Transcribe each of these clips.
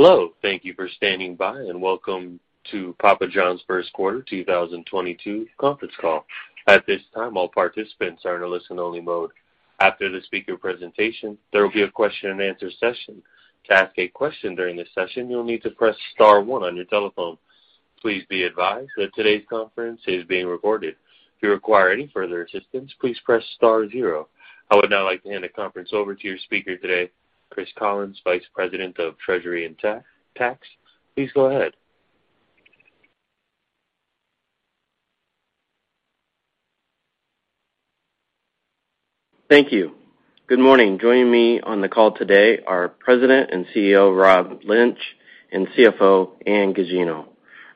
Hello. Thank you for standing by, and welcome to Papa John's First Quarter 2022 Conference Call. At this time, all participants are in a listen-only mode. After the speaker presentation, there will be a question and answer session. To ask a question during this session, you'll need to press star one on your telephone. Please be advised that today's conference is being recorded. If you require any further assistance, please press star zero. I would now like to hand the conference over to your speaker today, Chris Collins, Vice President of Treasury and Tax. Please go ahead Thank you. Good morning. Joining me on the call today are President and CEO Rob Lynch and CFO Ann Gugino.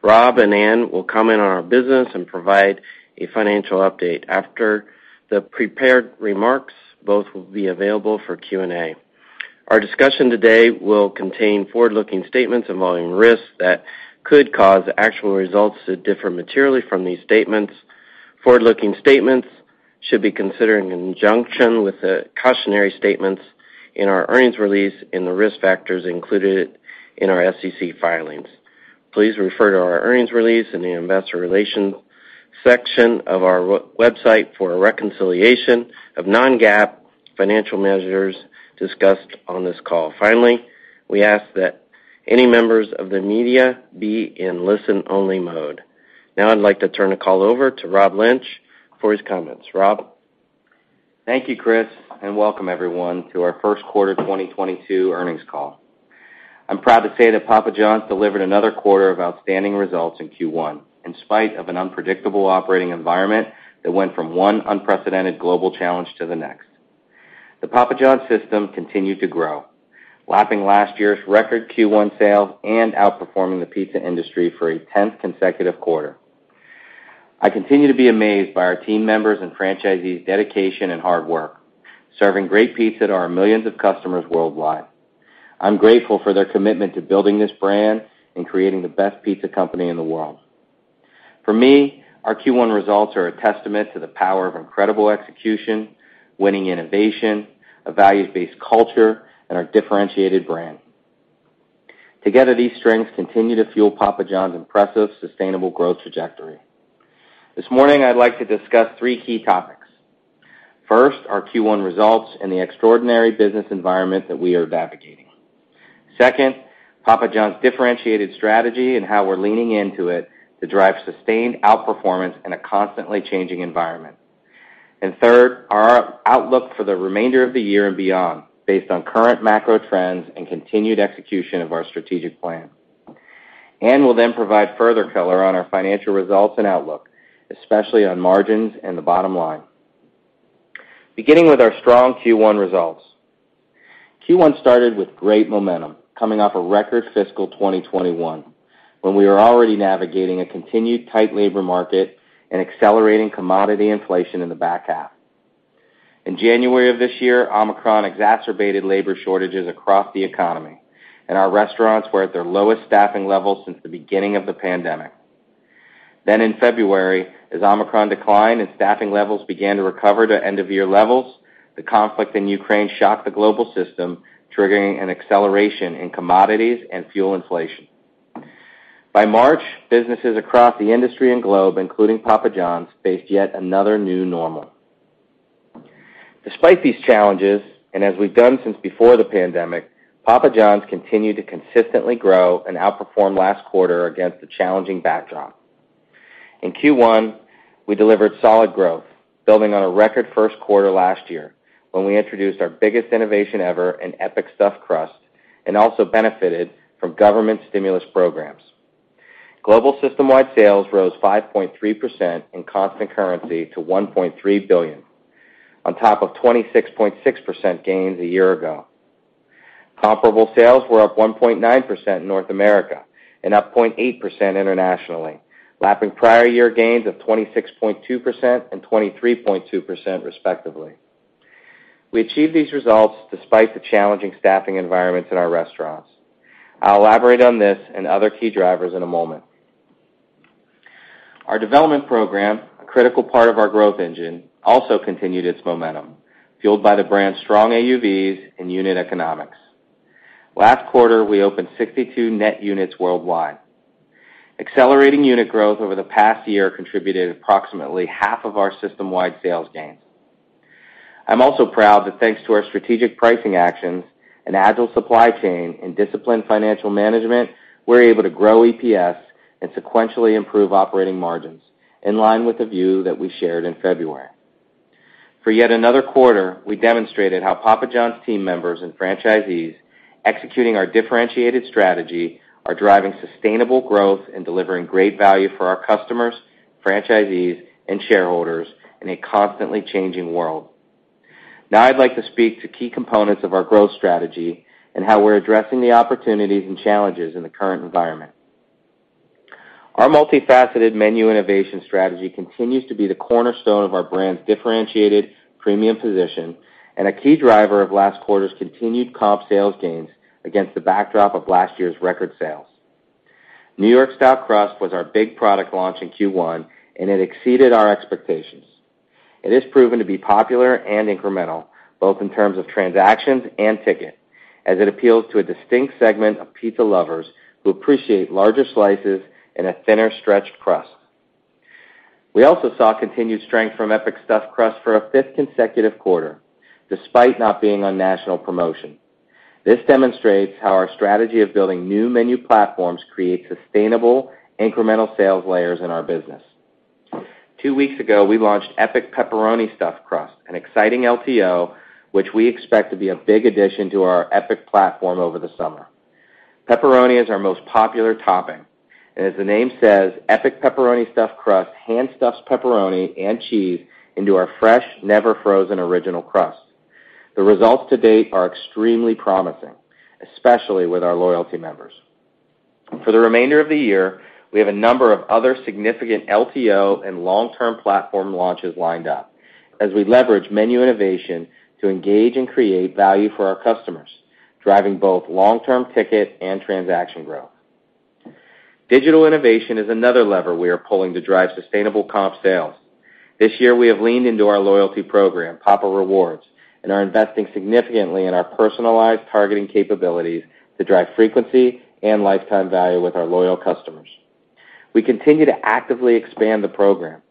Rob and Ann will comment on our business and provide a financial update. After the prepared remarks, both will be available for Q&A. Our discussion today will contain forward-looking statements involving risks that could cause actual results to differ materially from these statements. Forward-looking statements should be considered in conjunction with the cautionary statements in our earnings release and the risk factors included in our SEC filings. Please refer to our earnings release in the investor relations section of our website for a reconciliation of non-GAAP financial measures discussed on this call. Finally, we ask that any members of the media be in listen-only mode. Now I'd like to turn the call over to Rob Lynch for his comments. Rob? Thank you, Chris, and welcome everyone to our first quarter 2022 earnings call. I'm proud to say that Papa John's delivered another quarter of outstanding results in Q1, in spite of an unpredictable operating environment that went from one unprecedented global challenge to the next. The Papa John's system continued to grow, lapping last year's record Q1 sales and outperforming the pizza industry for a 10th consecutive quarter. I continue to be amazed by our team members' and franchisees' dedication and hard work, serving great pizza to our millions of customers worldwide. I'm grateful for their commitment to building this brand and creating the best pizza company in the world. For me, our Q1 results are a testament to the power of incredible execution, winning innovation, a values-based culture, and our differentiated brand. Together, these strengths continue to fuel Papa John's impressive, sustainable growth trajectory. This morning, I'd like to discuss three key topics. First, our Q1 results and the extraordinary business environment that we are navigating. Second, Papa John's differentiated strategy and how we're leaning into it to drive sustained outperformance in a constantly changing environment. Third, our outlook for the remainder of the year and beyond based on current macro trends and continued execution of our strategic plan. Ann will then provide further color on our financial results and outlook, especially on margins and the bottom line. Beginning with our strong Q1 results. Q1 started with great momentum, coming off a record fiscal 2021, when we were already navigating a continued tight labor market and accelerating commodity inflation in the back half. In January of this year, Omicron exacerbated labor shortages across the economy, and our restaurants were at their lowest staffing levels since the beginning of the pandemic. In February, as Omicron declined and staffing levels began to recover to end-of-year levels, the conflict in Ukraine shocked the global system, triggering an acceleration in commodities and fuel inflation. By March, businesses across the industry and globe, including Papa John's, faced yet another new normal. Despite these challenges, and as we've done since before the pandemic, Papa John's continued to consistently grow and outperform last quarter against a challenging backdrop. In Q1, we delivered solid growth, building on a record first quarter last year when we introduced our biggest innovation ever in Epic Stuffed Crust and also benefited from government stimulus programs. Global systemwide sales rose 5.3% in constant currency to $1.3 billion, on top of 26.6% gains a year ago. Comparable sales were up 1.9% in North America and up 0.8% internationally, lapping prior year gains of 26.2% and 23.2% respectively. We achieved these results despite the challenging staffing environments in our restaurants. I'll elaborate on this and other key drivers in a moment. Our development program, a critical part of our growth engine, also continued its momentum, fueled by the brand's strong AUVs and unit economics. Last quarter, we opened 62 net units worldwide. Accelerating unit growth over the past year contributed approximately half of our system-wide sales gains. I'm also proud that thanks to our strategic pricing actions and agile supply chain and disciplined financial management, we're able to grow EPS and sequentially improve operating margins in line with the view that we shared in February. For yet another quarter, we demonstrated how Papa John's team members and franchisees executing our differentiated strategy are driving sustainable growth and delivering great value for our customers, franchisees, and shareholders in a constantly changing world. Now I'd like to speak to key components of our growth strategy and how we're addressing the opportunities and challenges in the current environment. Our multifaceted menu innovation strategy continues to be the cornerstone of our brand's differentiated premium position and a key driver of last quarter's continued comp sales gains against the backdrop of last year's record sales. New York Style Crust was our big product launch in Q1, and it exceeded our expectations. It has proven to be popular and incremental, both in terms of transactions and ticket, as it appeals to a distinct segment of pizza lovers who appreciate larger slices and a thinner stretched crust. We also saw continued strength from Epic Stuffed Crust for a fifth consecutive quarter, despite not being on national promotion. This demonstrates how our strategy of building new menu platforms create sustainable incremental sales layers in our business. Two weeks ago, we launched Epic Pepperoni-Stuffed Crust, an exciting LTO, which we expect to be a big addition to our Epic platform over the summer. Pepperoni is our most popular topping, and as the name says, Epic Pepperoni-Stuffed Crust hand stuffs pepperoni and cheese into our fresh, never frozen original crust. The results to date are extremely promising, especially with our loyalty members. For the remainder of the year, we have a number of other significant LTO and long-term platform launches lined up as we leverage menu innovation to engage and create value for our customers, driving both long-term ticket and transaction growth. Digital innovation is another lever we are pulling to drive sustainable comp sales. This year, we have leaned into our loyalty program, Papa Rewards, and are investing significantly in our personalized targeting capabilities to drive frequency and lifetime value with our loyal customers. We continue to actively expand the program.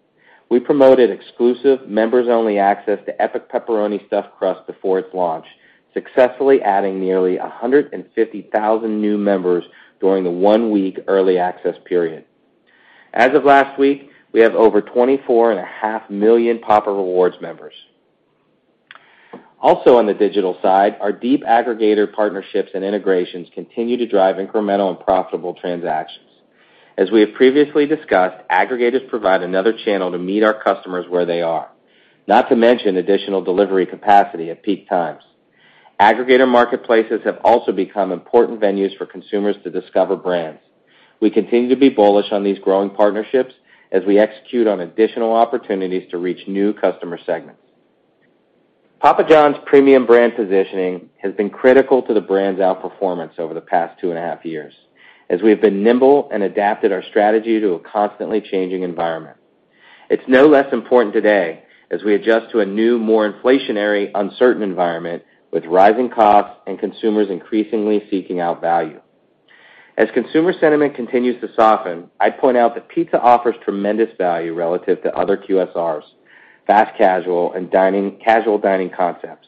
We promoted exclusive members-only access to Epic Pepperoni-Stuffed Crust before its launch, successfully adding nearly 150,000 new members during the one-week early access period. As of last week, we have over 24.5 million Papa Rewards members. Also on the digital side, our deep aggregator partnerships and integrations continue to drive incremental and profitable transactions. As we have previously discussed, aggregators provide another channel to meet our customers where they are, not to mention additional delivery capacity at peak times. Aggregator marketplaces have also become important venues for consumers to discover brands. We continue to be bullish on these growing partnerships as we execute on additional opportunities to reach new customer segments. Papa John's premium brand positioning has been critical to the brand's outperformance over the past two and a half years, as we have been nimble and adapted our strategy to a constantly changing environment. It's no less important today as we adjust to a new, more inflationary, uncertain environment with rising costs and consumers increasingly seeking out value. As consumer sentiment continues to soften, I point out that pizza offers tremendous value relative to other QSRs, fast casual, and dining, casual dining concepts.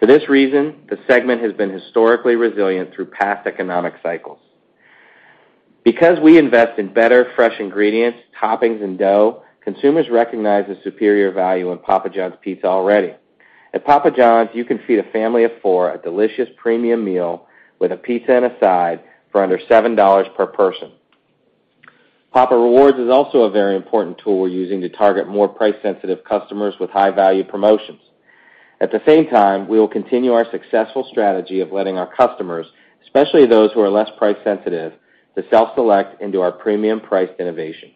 For this reason, the segment has been historically resilient through past economic cycles. Because we invest in better fresh ingredients, toppings, and dough, consumers recognize the superior value in Papa John's pizza already. At Papa John's, you can feed a family of four a delicious premium meal with a pizza and a side for under $7 per person. Papa Rewards is also a very important tool we're using to target more price-sensitive customers with high-value promotions. At the same time, we will continue our successful strategy of letting our customers, especially those who are less price-sensitive, to self-select into our premium priced innovation.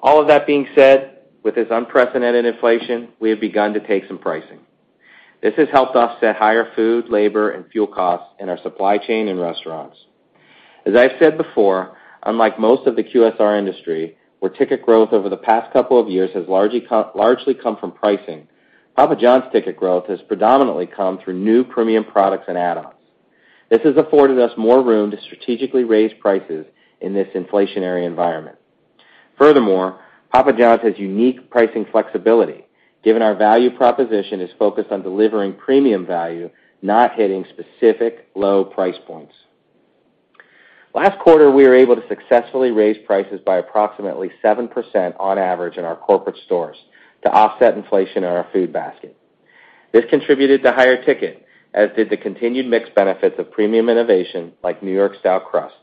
All of that being said, with this unprecedented inflation, we have begun to take some pricing. This has helped us offset higher food, labor, and fuel costs in our supply chain and restaurants. As I've said before, unlike most of the QSR industry, where ticket growth over the past couple of years has largely come from pricing, Papa John's ticket growth has predominantly come through new premium products and add-ons. This has afforded us more room to strategically raise prices in this inflationary environment. Furthermore, Papa John's has unique pricing flexibility, given our value proposition is focused on delivering premium value, not hitting specific low price points. Last quarter, we were able to successfully raise prices by approximately 7% on average in our corporate stores to offset inflation in our food basket. This contributed to higher ticket, as did the continued mix benefits of premium innovation like New York Style Crust.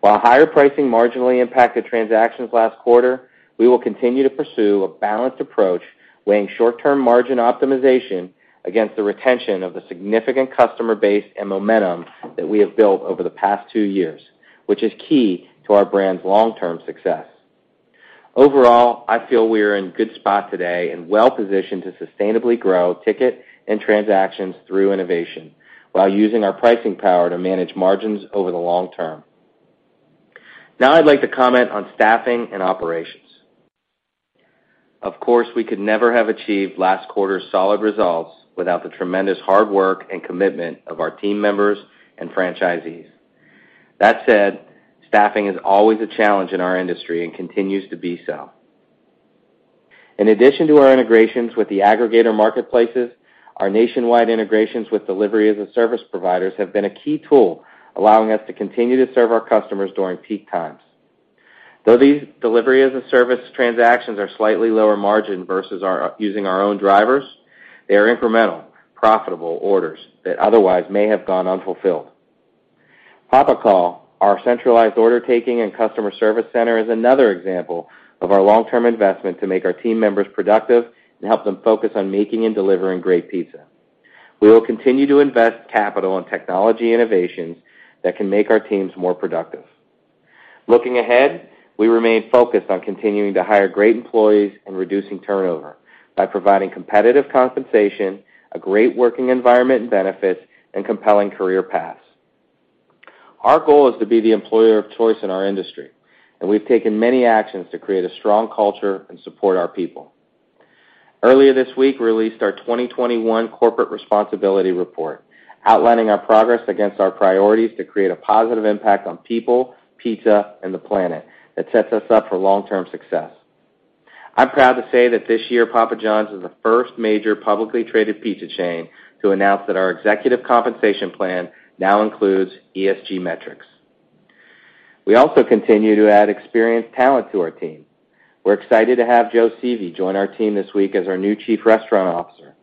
While higher pricing marginally impacted transactions last quarter, we will continue to pursue a balanced approach, weighing short-term margin optimization against the retention of the significant customer base and momentum that we have built over the past two years, which is key to our brand's long-term success. Overall, I feel we are in good spot today and well-positioned to sustainably grow ticket and transactions through innovation while using our pricing power to manage margins over the long term. Now I'd like to comment on staffing and operations. Of course, we could never have achieved last quarter's solid results without the tremendous hard work and commitment of our team members and franchisees. That said, staffing is always a challenge in our industry and continues to be so. In addition to our integrations with the aggregator marketplaces, our nationwide integrations with delivery as a service providers have been a key tool, allowing us to continue to serve our customers during peak times. Though these delivery as a service transactions are slightly lower margin versus using our own drivers, they are incremental, profitable orders that otherwise may have gone unfulfilled. Papa Call, our centralized order taking and customer service center, is another example of our long-term investment to make our team members productive and help them focus on making and delivering great pizza. We will continue to invest capital on technology innovations that can make our teams more productive. Looking ahead, we remain focused on continuing to hire great employees and reducing turnover by providing competitive compensation, a great working environment and benefits, and compelling career paths. Our goal is to be the employer of choice in our industry, and we've taken many actions to create a strong culture and support our people. Earlier this week, we released our 2021 corporate responsibility report, outlining our progress against our priorities to create a positive impact on people, pizza, and the planet that sets us up for long-term success. I'm proud to say that this year Papa John's is the first major publicly traded pizza chain to announce that our executive compensation plan now includes ESG metrics. We also continue to add experienced talent to our team. We're excited to have Joe Sieve join our team this week as our new Chief Restaurant Officer.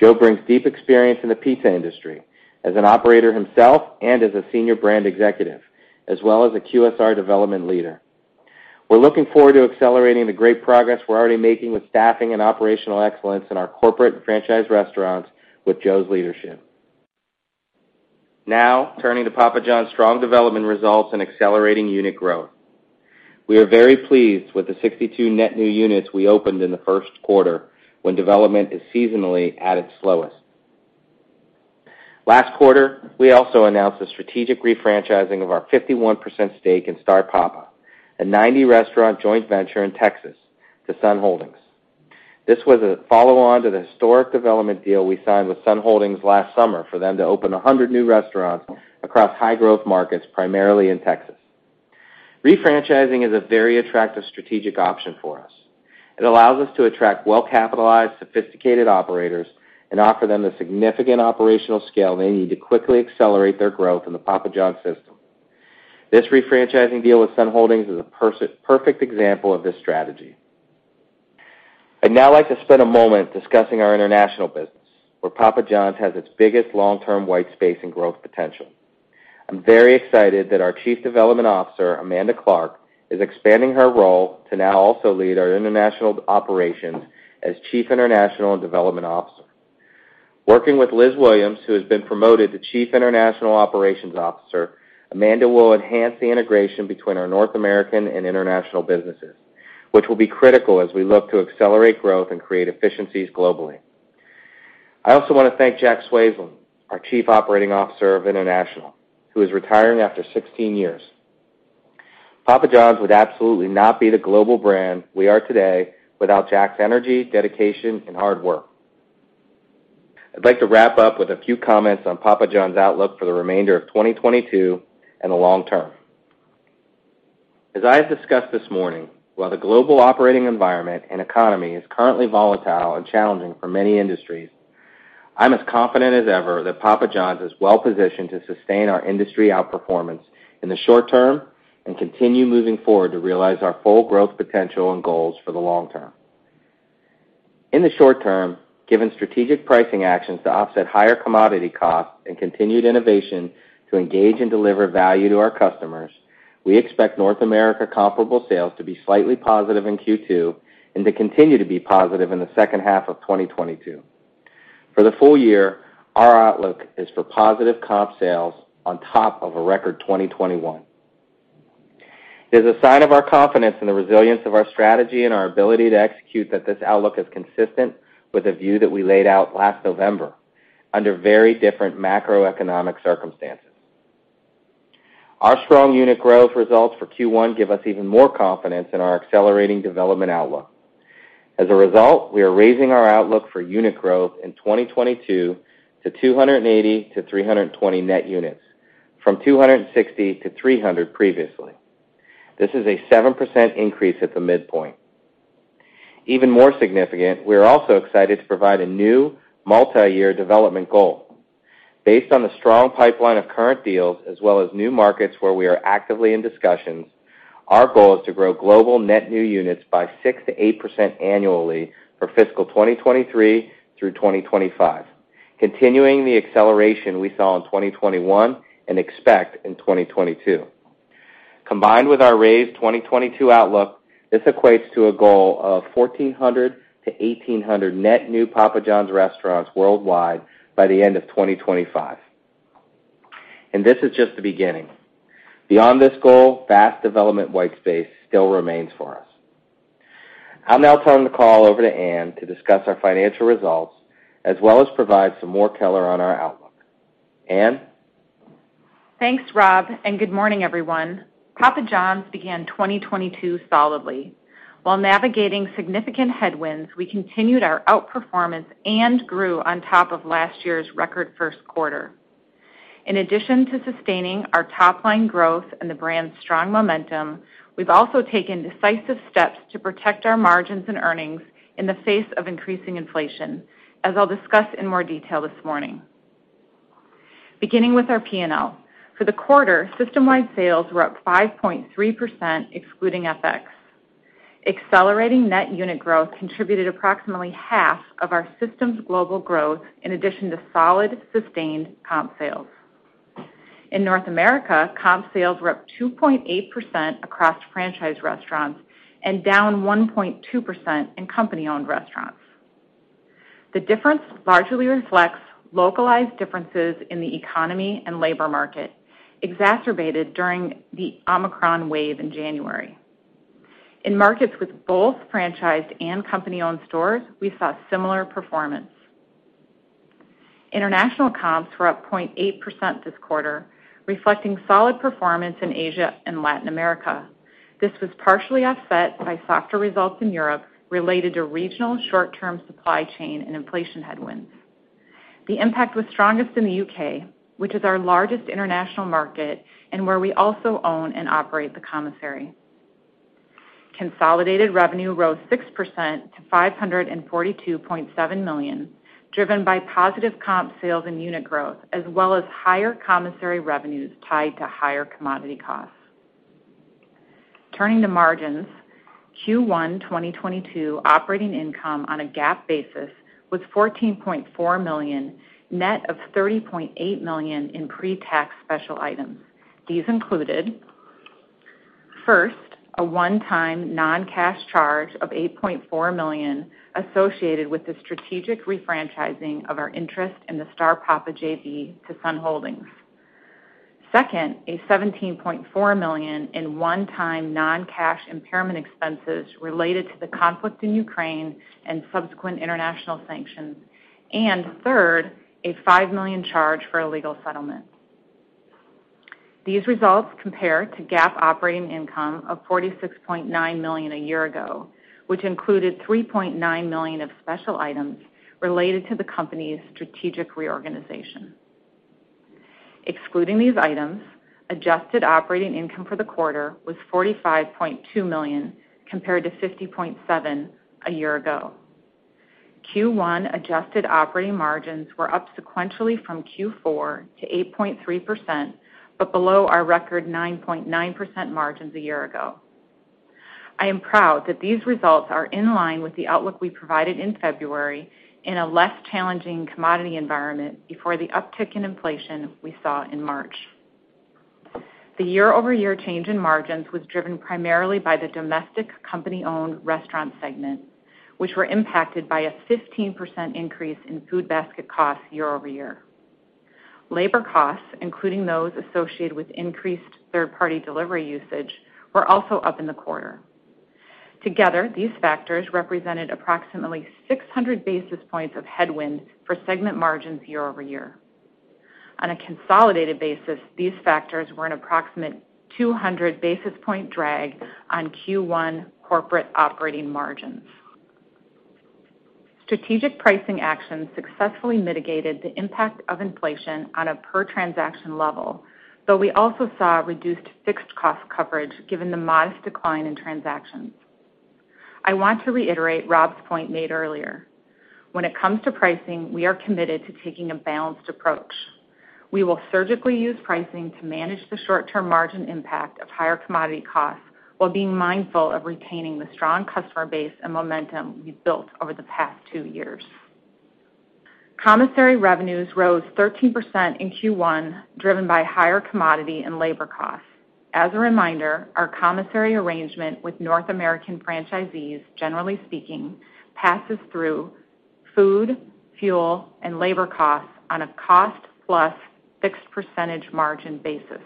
Joe brings deep experience in the pizza industry as an operator himself and as a senior brand executive, as well as a QSR development leader. We're looking forward to accelerating the great progress we're already making with staffing and operational excellence in our corporate and franchise restaurants with Joe's leadership. Now turning to Papa John's strong development results and accelerating unit growth. We are very pleased with the 62 net new units we opened in the first quarter when development is seasonally at its slowest. Last quarter, we also announced the strategic refranchising of our 51% stake in Star Papa, a 90-restaurant joint venture in Texas to Sun Holdings. This was a follow-on to the historic development deal we signed with Sun Holdings last summer for them to open 100 new restaurants across high-growth markets, primarily in Texas. Refranchising is a very attractive strategic option for us. It allows us to attract well-capitalized, sophisticated operators and offer them the significant operational scale they need to quickly accelerate their growth in the Papa John's system. This refranchising deal with Sun Holdings is a perfect example of this strategy. I'd now like to spend a moment discussing our international business, where Papa John's has its biggest long-term white space and growth potential. I'm very excited that our Chief Development Officer, Amanda Clark, is expanding her role to now also lead our international operations as Chief International and Development Officer. Working with Liz Williams, who has been promoted to Chief International Operations Officer, Amanda will enhance the integration between our North American and international businesses, which will be critical as we look to accelerate growth and create efficiencies globally. I also want to thank Jack Swaysland, our Chief Operating Officer of International, who is retiring after 16 years. Papa John's would absolutely not be the global brand we are today without Jack's energy, dedication, and hard work. I'd like to wrap up with a few comments on Papa John's outlook for the remainder of 2022 and the long term. As I have discussed this morning, while the global operating environment and economy is currently volatile and challenging for many industries, I'm as confident as ever that Papa John's is well positioned to sustain our industry outperformance in the short term and continue moving forward to realize our full growth potential and goals for the long term. In the short term, given strategic pricing actions to offset higher commodity costs and continued innovation to engage and deliver value to our customers, we expect North America comparable sales to be slightly positive in Q2 and to continue to be positive in the second half of 2022. For the full year, our outlook is for positive comp sales on top of a record 2021. It is a sign of our confidence in the resilience of our strategy and our ability to execute that this outlook is consistent with the view that we laid out last November under very different macroeconomic circumstances. Our strong unit growth results for Q1 give us even more confidence in our accelerating development outlook. As a result, we are raising our outlook for unit growth in 2022 to 280-320 net units from 260-300 previously. This is a 7% increase at the midpoint. Even more significant, we are also excited to provide a new multi-year development goal. Based on the strong pipeline of current deals as well as new markets where we are actively in discussions, our goal is to grow global net new units by 6%-8% annually for fiscal 2023 through 2025, continuing the acceleration we saw in 2021 and expect in 2022. Combined with our raised 2022 outlook, this equates to a goal of 1,400-1,800 net new Papa John's restaurants worldwide by the end of 2025. This is just the beginning. Beyond this goal, vast development white space still remains for us. I'll now turn the call over to Ann to discuss our financial results as well as provide some more color on our outlook. Ann. Thanks, Rob, and good morning, everyone. Papa John's began 2022 solidly. While navigating significant headwinds, we continued our outperformance and grew on top of last year's record first quarter. In addition to sustaining our top-line growth and the brand's strong momentum, we've also taken decisive steps to protect our margins and earnings in the face of increasing inflation, as I'll discuss in more detail this morning. Beginning with our P&L, for the quarter, system-wide sales were up 5.3% excluding FX. Accelerating net unit growth contributed approximately half of our system's global growth in addition to solid, sustained comp sales. In North America, comp sales were up 2.8% across franchise restaurants and down 1.2% in company-owned restaurants. The difference largely reflects localized differences in the economy and labor market, exacerbated during the Omicron wave in January. In markets with both franchised and company-owned stores, we saw similar performance. International comps were up 0.8% this quarter, reflecting solid performance in Asia and Latin America. This was partially offset by softer results in Europe related to regional short-term supply chain and inflation headwinds. The impact was strongest in the U.K., which is our largest international market and where we also own and operate the commissary. Consolidated revenue rose 6% to $542.7 million, driven by positive comp sales and unit growth, as well as higher commissary revenues tied to higher commodity costs. Turning to margins, Q1 2022 operating income on a GAAP basis was $14.4 million, net of $30.8 million in pre-tax special items. These included, first, a one-time non-cash charge of $8.4 million associated with the strategic refranchising of our interest in the Star Papa JV to Sun Holdings. Second, a $17.4 million in one-time non-cash impairment expenses related to the conflict in Ukraine and subsequent international sanctions. And third, a $5 million charge for a legal settlement. These results compare to GAAP operating income of $46.9 million a year ago, which included $3.9 million of special items related to the company's strategic reorganization. Excluding these items, adjusted operating income for the quarter was $45.2 million compared to $50.7 million a year ago. Q1 adjusted operating margins were up sequentially from Q4 to 8.3%, but below our record 9.9% margins a year ago. I am proud that these results are in line with the outlook we provided in February in a less challenging commodity environment before the uptick in inflation we saw in March. The year-over-year change in margins was driven primarily by the domestic company-owned restaurant segment, which were impacted by a 15% increase in food basket costs year over year. Labor costs, including those associated with increased third-party delivery usage, were also up in the quarter. Together, these factors represented approximately 600 basis points of headwind for segment margins year over year. On a consolidated basis, these factors were an approximate 200 basis points drag on Q1 corporate operating margins. Strategic pricing actions successfully mitigated the impact of inflation on a per-transaction level, though we also saw reduced fixed cost coverage given the modest decline in transactions. I want to reiterate Rob's point made earlier. When it comes to pricing, we are committed to taking a balanced approach. We will surgically use pricing to manage the short-term margin impact of higher commodity costs while being mindful of retaining the strong customer base and momentum we've built over the past two years. Commissary revenues rose 13% in Q1, driven by higher commodity and labor costs. As a reminder, our commissary arrangement with North American franchisees, generally speaking, passes through food, fuel, and labor costs on a cost plus fixed percentage margin basis.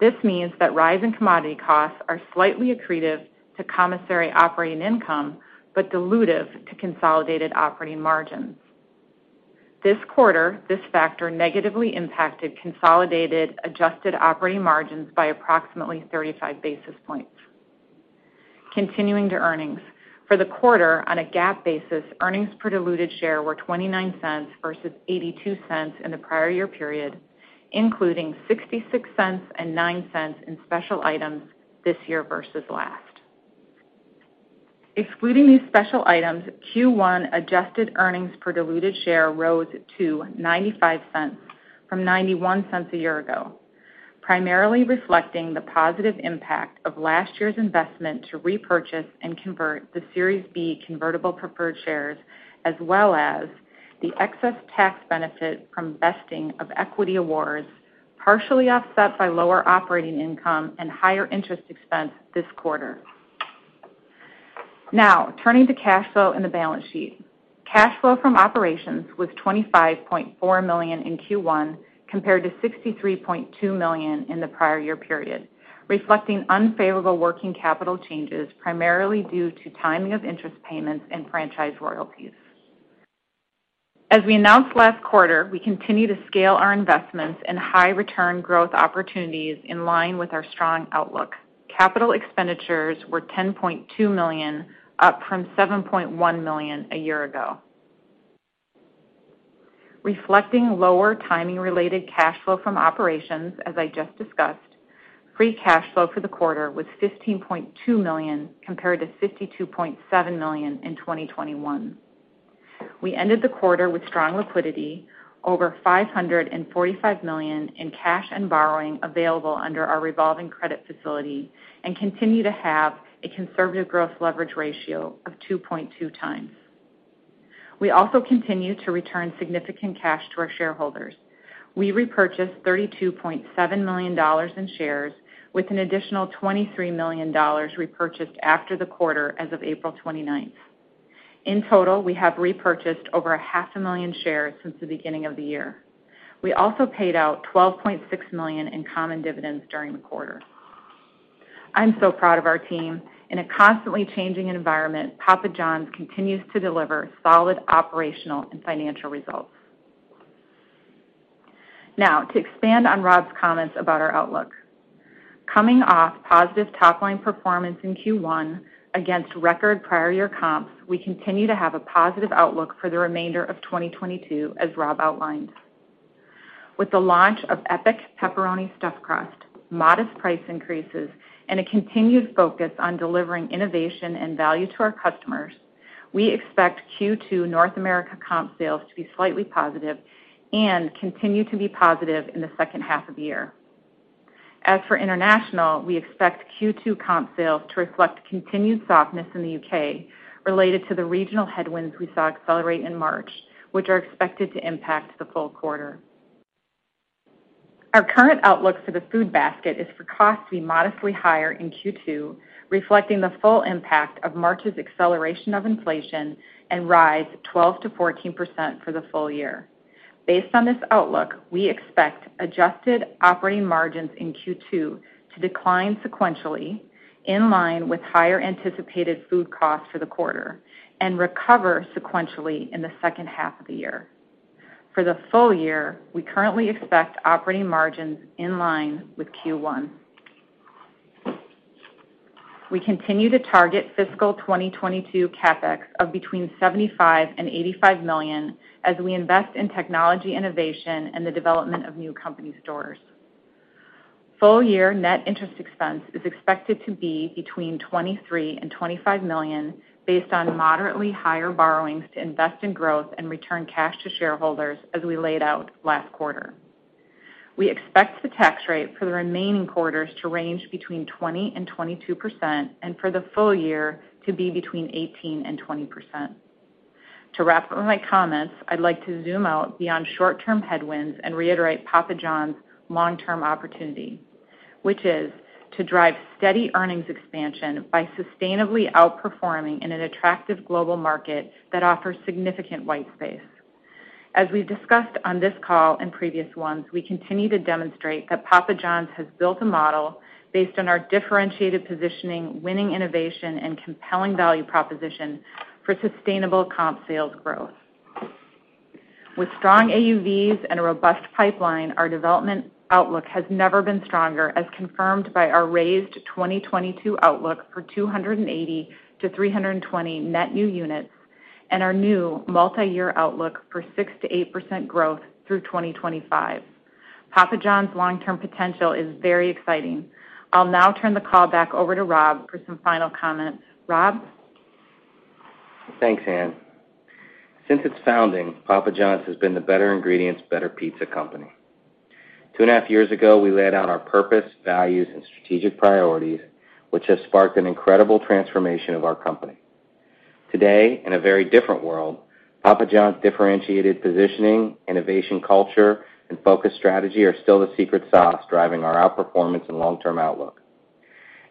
This means that rise in commodity costs are slightly accretive to commissary operating income, but dilutive to consolidated operating margins. This quarter, this factor negatively impacted consolidated adjusted operating margins by approximately 35 basis points. Continuing to earnings. For the quarter, on a GAAP basis, earnings per diluted share were $0.29 versus $0.82 in the prior year period, including $0.66 and $0.09 in special items this year versus last. Excluding these special items, Q1 adjusted earnings per diluted share rose to $0.95 from $0.91 a year ago, primarily reflecting the positive impact of last year's investment to repurchase and convert the Series B convertible preferred shares, as well as the excess tax benefit from vesting of equity awards, partially offset by lower operating income and higher interest expense this quarter. Now, turning to cash flow and the balance sheet. Cash flow from operations was $25.4 million in Q1 compared to $63.2 million in the prior year period, reflecting unfavorable working capital changes, primarily due to timing of interest payments and franchise royalties. As we announced last quarter, we continue to scale our investments in high return growth opportunities in line with our strong outlook. Capital expenditures were $10.2 million, up from $7.1 million a year ago. Reflecting lower timing-related cash flow from operations, as I just discussed, free cash flow for the quarter was $15.2 million compared to $52.7 million in 2021. We ended the quarter with strong liquidity, over $545 million in cash and borrowing available under our revolving credit facility and continue to have a conservative gross leverage ratio of 2.2x. We also continue to return significant cash to our shareholders. We repurchased $32.7 million in shares with an additional $23 million repurchased after the quarter as of April 29th. In total, we have repurchased over 500,000 shares since the beginning of the year. We also paid out $12.6 million in common dividends during the quarter. I'm so proud of our team. In a constantly changing environment, Papa John's continues to deliver solid operational and financial results. Now to expand on Rob's comments about our outlook. Coming off positive top line performance in Q1 against record prior year comps, we continue to have a positive outlook for the remainder of 2022, as Rob outlined. With the launch of Epic Pepperoni-Stuffed Crust, modest price increases, and a continued focus on delivering innovation and value to our customers, we expect Q2 North America comp sales to be slightly positive and continue to be positive in the second half of the year. As for international, we expect Q2 comp sales to reflect continued softness in the U.K. related to the regional headwinds we saw accelerate in March, which are expected to impact the full quarter. Our current outlook for the food basket is for costs to be modestly higher in Q2, reflecting the full impact of March's acceleration of inflation and rise 12%-14% for the full year. Based on this outlook, we expect adjusted operating margins in Q2 to decline sequentially in line with higher anticipated food costs for the quarter and recover sequentially in the second half of the year. For the full year, we currently expect operating margins in line with Q1. We continue to target fiscal 2022 CapEx of between $75 million-$85 million as we invest in technology innovation and the development of new company stores. Full year net interest expense is expected to be between $23 million-$25 million based on moderately higher borrowings to invest in growth and return cash to shareholders as we laid out last quarter. We expect the tax rate for the remaining quarters to range between 20%-22% and for the full year to be between 18%-20%. To wrap up my comments, I'd like to zoom out beyond short-term headwinds and reiterate Papa John's long-term opportunity, which is to drive steady earnings expansion by sustainably outperforming in an attractive global market that offers significant white space. As we've discussed on this call and previous ones, we continue to demonstrate that Papa John's has built a model based on our differentiated positioning, winning innovation, and compelling value proposition for sustainable comp sales growth. With strong AUVs and a robust pipeline, our development outlook has never been stronger, as confirmed by our raised 2022 outlook for 280-320 net new units and our new multiyear outlook for 6%-8% growth through 2025. Papa John's long-term potential is very exciting. I'll now turn the call back over to Rob for some final comments. Rob? Thanks, Ann. Since its founding, Papa John's has been the better ingredients, better pizza company. Two and a half years ago, we laid out our purpose, values, and strategic priorities, which has sparked an incredible transformation of our company. Today, in a very different world, Papa John's differentiated positioning, innovation culture, and focused strategy are still the secret sauce driving our outperformance and long-term outlook.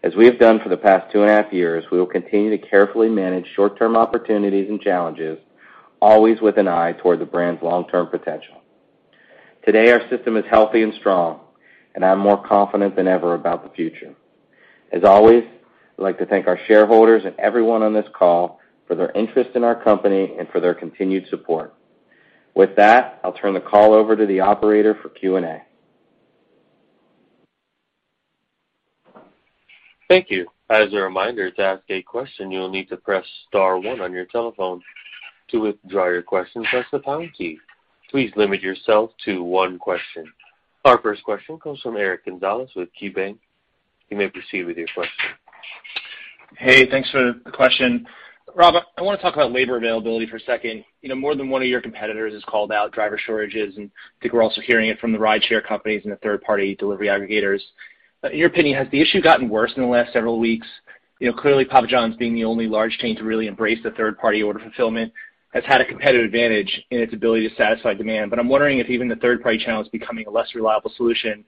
As we have done for the past two and a half years, we will continue to carefully manage short-term opportunities and challenges, always with an eye toward the brand's long-term potential. Today, our system is healthy and strong, and I'm more confident than ever about the future. As always, I'd like to thank our shareholders and everyone on this call for their interest in our company and for their continued support. With that, I'll turn the call over to the operator for Q&A. Thank you. As a reminder, to ask a question, you will need to press star one on your telephone. To withdraw your question, press the pound key. Please limit yourself to one question. Our first question comes from Eric Gonzalez with KeyBanc. You may proceed with your question. Hey, thanks for the question. Rob, I want to talk about labor availability for a second. You know, more than one of your competitors has called out driver shortages, and I think we're also hearing it from the rideshare companies and the third-party delivery aggregators. In your opinion, has the issue gotten worse in the last several weeks? You know, clearly, Papa John's being the only large chain to really embrace the third-party order fulfillment has had a competitive advantage in its ability to satisfy demand. But I'm wondering if even the third-party channel is becoming a less reliable solution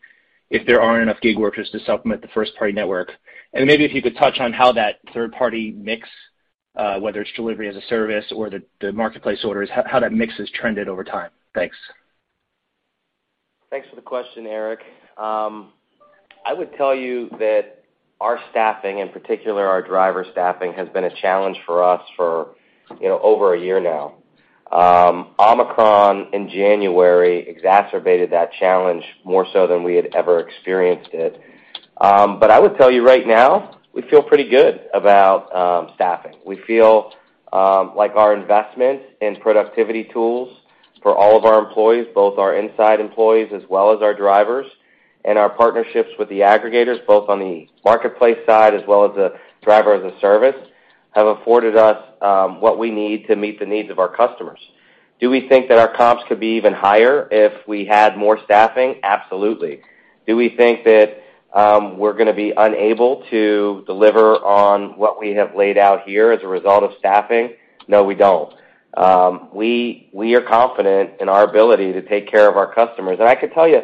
if there aren't enough gig workers to supplement the first-party network. Maybe if you could touch on how that third-party mix, whether it's delivery as a service or the marketplace orders, how that mix has trended over time. Thanks. Thanks for the question, Eric. I would tell you that our staffing, in particular our driver staffing, has been a challenge for us for, you know, over a year now. Omicron in January exacerbated that challenge more so than we had ever experienced it. I would tell you right now, we feel pretty good about staffing. We feel like our investments in productivity tools for all of our employees, both our inside employees as well as our drivers, and our partnerships with the aggregators, both on the marketplace side as well as the driver as a service, have afforded us what we need to meet the needs of our customers. Do we think that our comps could be even higher if we had more staffing? Absolutely. Do we think that, we're gonna be unable to deliver on what we have laid out here as a result of staffing? No, we don't. We are confident in our ability to take care of our customers. I could tell you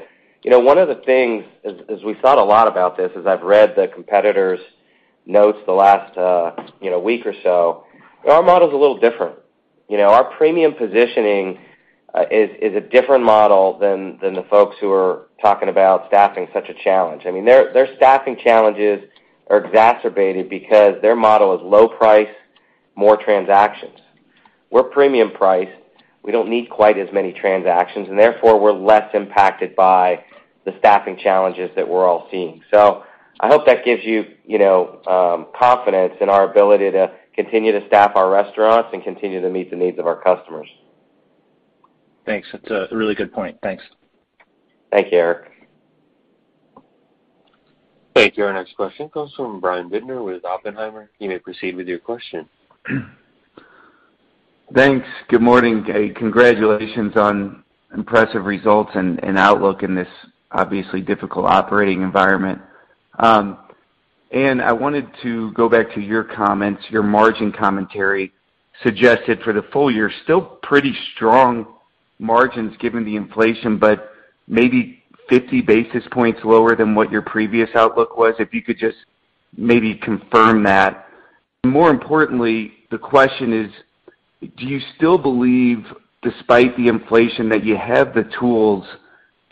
know, one of the things as we've thought a lot about this, as I've read the competitors' notes the last, week or so, our model is a little different. You know, our premium positioning is a different model than the folks who are talking about staffing such a challenge. I mean, their staffing challenges are exacerbated because their model is low price, more transactions. We're premium price. We don't need quite as many transactions, and therefore, we're less impacted by the staffing challenges that we're all seeing. I hope that gives you know, confidence in our ability to continue to staff our restaurants and continue to meet the needs of our customers. Thanks. That's a really good point. Thanks. Thank you, Eric. Thank you. Our next question comes from Brian Bittner with Oppenheimer. You may proceed with your question. Thanks. Good morning, Dave. Congratulations on impressive results and outlook in this obviously difficult operating environment. I wanted to go back to your comments. Your margin commentary suggested for the full year still pretty strong margins given the inflation, but maybe 50 basis points lower than what your previous outlook was. If you could just maybe confirm that. More importantly, the question is, do you still believe, despite the inflation, that you have the tools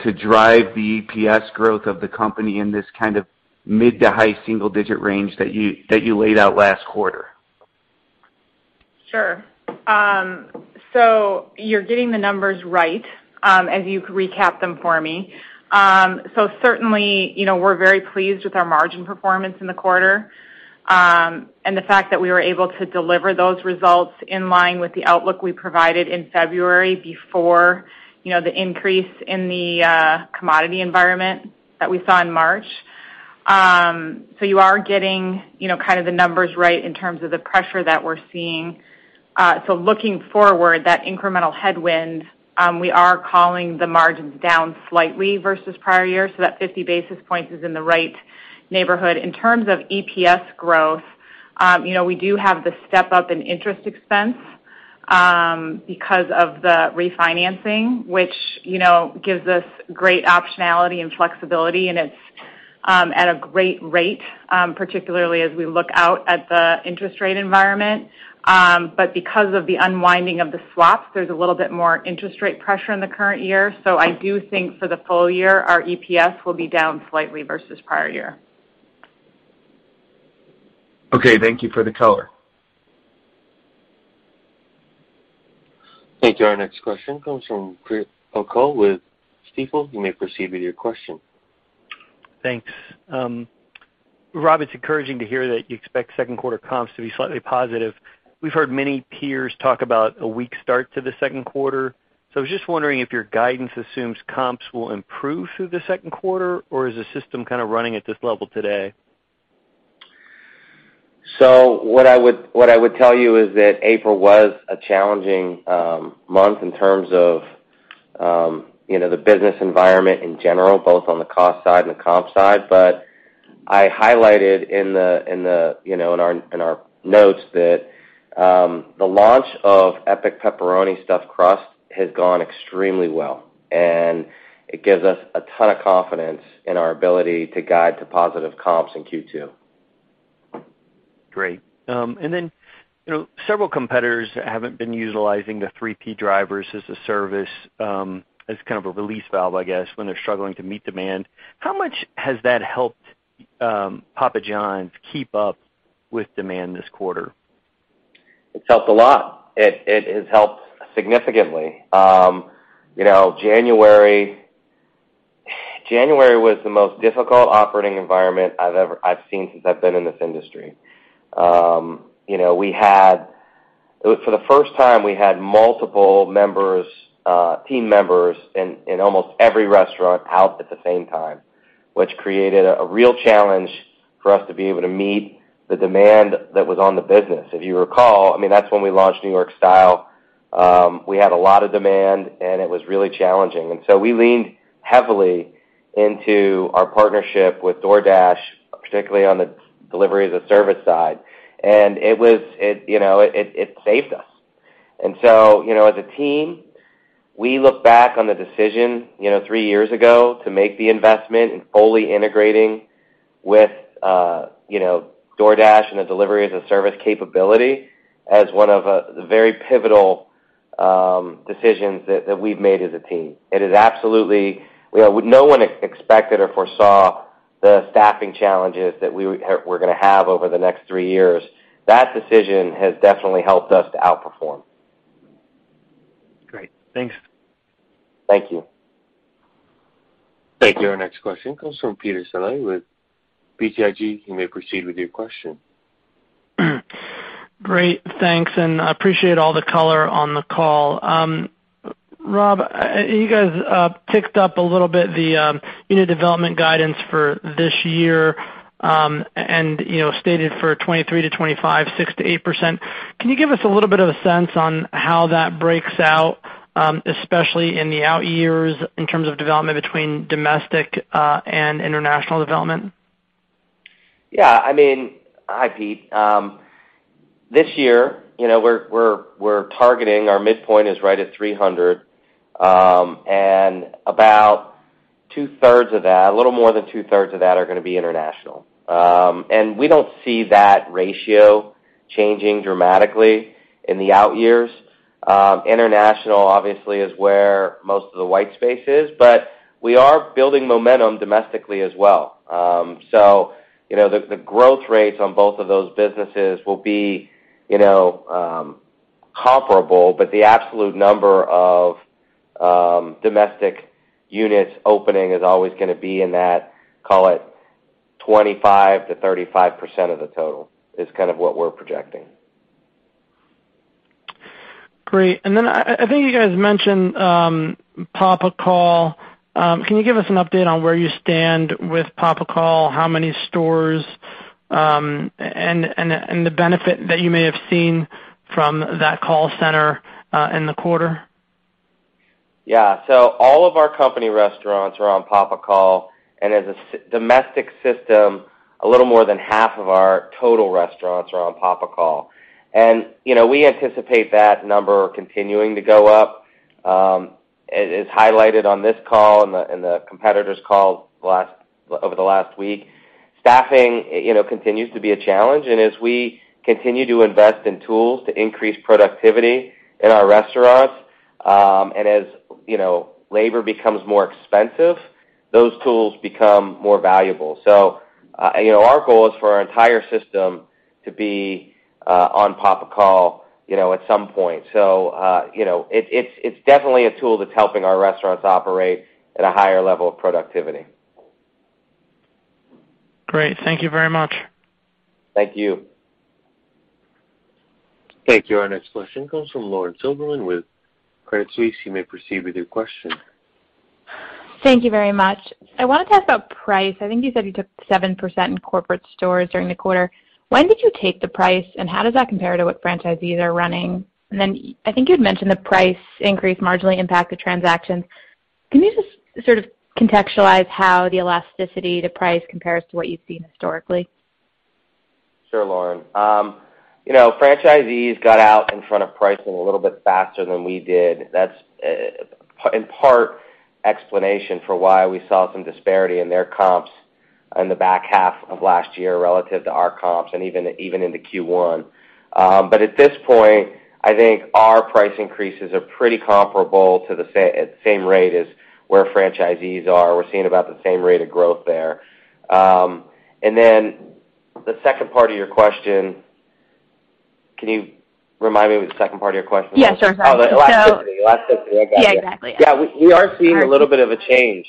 to drive the EPS growth of the company in this kind of mid- to high-single-digit range that you laid out last quarter? Sure. You're getting the numbers right, as you recapped them for me. Certainly, you know, we're very pleased with our margin performance in the quarter, and the fact that we were able to deliver those results in line with the outlook we provided in February before, you know, the increase in the commodity environment that we saw in March. You are getting, you know, kind of the numbers right in terms of the pressure that we're seeing. Looking forward, that incremental headwind, we are calling the margins down slightly versus prior year, so that 50 basis points is in the right neighborhood. In terms of EPS growth, you know, we do have the step-up in interest expense, because of the refinancing, which, you know, gives us great optionality and flexibility, and it's at a great rate, particularly as we look out at the interest rate environment. Because of the unwinding of the swaps, there's a little bit more interest rate pressure in the current year. I do think for the full year, our EPS will be down slightly versus prior year. Okay. Thank you for the color. Thank you. Our next question comes from Chris O'Cull with Stifel. You may proceed with your question. Thanks. Rob, it's encouraging to hear that you expect second quarter comps to be slightly positive. We've heard many peers talk about a weak start to the second quarter. I was just wondering if your guidance assumes comps will improve through the second quarter, or is the system kind of running at this level today? What I would tell you is that April was a challenging month in terms of you know the business environment in general both on the cost side and the comp side. I highlighted in our notes that the launch of Epic Pepperoni-Stuffed Crust has gone extremely well and it gives us a ton of confidence in our ability to guide to positive comps in Q2. Great. You know, several competitors haven't been utilizing the 3P drivers as a service, as kind of a release valve, I guess, when they're struggling to meet demand. How much has that helped, Papa John's keep up with demand this quarter? It's helped a lot. It has helped significantly. You know, January was the most difficult operating environment I've seen since I've been in this industry. For the first time, we had multiple team members in almost every restaurant out at the same time, which created a real challenge for us to be able to meet the demand that was on the business. If you recall, I mean, that's when we launched New York Style. We had a lot of demand, and it was really challenging. We leaned heavily into our partnership with DoorDash, particularly on the delivery as a service side. It was, you know, it saved us. You know, as a team, we look back on the decision, you know, three years ago to make the investment in fully integrating with, you know, DoorDash and the delivery as a service capability as one of the very pivotal decisions that we've made as a team. It is absolutely. You know, no one expected or foresaw the staffing challenges that we were gonna have over the next three years. That decision has definitely helped us to outperform. Great. Thanks. Thank you. Thank you. Our next question comes from Peter Saleh with BTIG. You may proceed with your question. Great. Thanks, and I appreciate all the color on the call. Rob, you guys ticked up a little bit the unit development guidance for this year, and you know, stated for 2023-2025, 6%-8%. Can you give us a little bit of a sense on how that breaks out, especially in the out years in terms of development between domestic and international development? Yeah. I mean, hi, Peter. This year, you know, we're targeting our midpoint is right at 300, and about two-thirds of that, a little more than two-thirds of that are gonna be international. We don't see that ratio changing dramatically in the out years. International, obviously, is where most of the white space is, but we are building momentum domestically as well. You know, the growth rates on both of those businesses will be, you know, comparable, but the absolute number of domestic units opening is always gonna be in that, call it, 25%-35% of the total is kind of what we're projecting. Great. Then I think you guys mentioned Papa Call. Can you give us an update on where you stand with Papa Call, how many stores, and the benefit that you may have seen from that call center in the quarter? Yeah. All of our company restaurants are on Papa Call, and as a domestic system, a little more than half of our total restaurants are on Papa Call. You know, we anticipate that number continuing to go up. As highlighted on this call and the competitor's call over the last week, staffing, you know, continues to be a challenge. As we continue to invest in tools to increase productivity in our restaurants, and as, you know, labor becomes more expensive, those tools become more valuable. You know, our goal is for our entire system to be on Papa Call, you know, at some point. You know, it's definitely a tool that's helping our restaurants operate at a higher level of productivity. Great. Thank you very much. Thank you. Thank you. Our next question comes from Lauren Silberman with Credit Suisse. You may proceed with your question. Thank you very much. I wanna talk about price. I think you said you took 7% in corporate stores during the quarter. When did you take the price, and how does that compare to what franchisees are running? I think you'd mentioned the price increase marginally impact the transactions. Can you just sort of contextualize how the elasticity to price compares to what you've seen historically? Sure, Lauren. You know, franchisees got out in front of pricing a little bit faster than we did. That's in part explanation for why we saw some disparity in their comps in the back half of last year relative to our comps and even into Q1. At this point, I think our price increases are pretty comparable at the same rate as where franchisees are. We're seeing about the same rate of growth there. Then the second part of your question, can you remind me what the second part of your question was? Yeah, sure. Oh, the elasticity. So- Elasticity. I got you. Yeah, exactly. Yeah. We are seeing a little bit of a change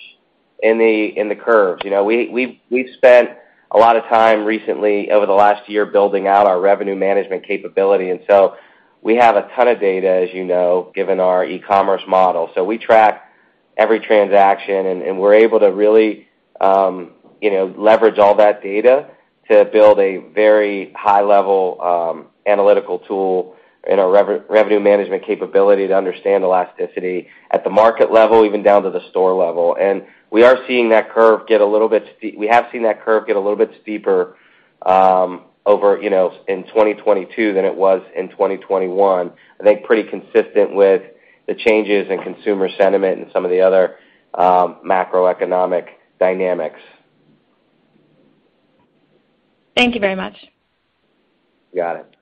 in the curves. You know, we've spent a lot of time recently over the last year building out our revenue management capability, and so we have a ton of data as you know, given our e-commerce model. We track every transaction, and we're able to really, you know, leverage all that data to build a very high level, analytical tool in our revenue management capability to understand elasticity at the market level, even down to the store level. We have seen that curve get a little bit steeper, you know, in 2022 than it was in 2021. I think pretty consistent with the changes in consumer sentiment and some of the other macroeconomic dynamics. Thank you very much. Got it.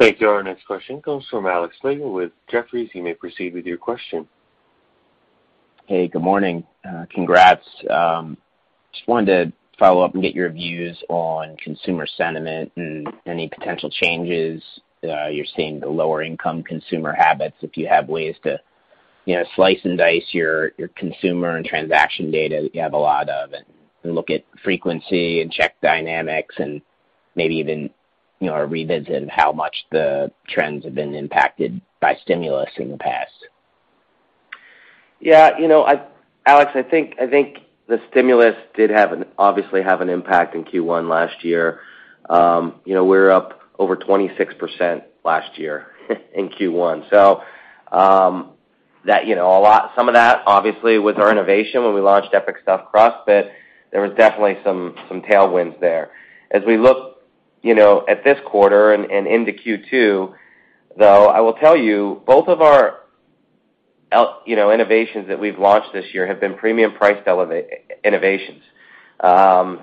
Thank you. Our next question comes from Alex Slagle with Jefferies. You may proceed with your question. Hey, good morning. Congrats. Just wanted to follow up and get your views on consumer sentiment and any potential changes you're seeing in the lower-income consumer habits, if you have ways to, you know, slice and dice your consumer and transaction data you have a lot of, and look at frequency and check dynamics and maybe even, you know, a revisit of how much the trends have been impacted by stimulus in the past. Yeah. You know, Alex, I think the stimulus did have an impact, obviously. You know, we're up over 26% last year in Q1. That, you know, some of that obviously was our innovation when we launched Epic Stuffed Crust, but there was definitely some tailwinds there. As we look, you know, at this quarter and into Q2, though, I will tell you both of our, you know, innovations that we've launched this year have been premium priced innovations.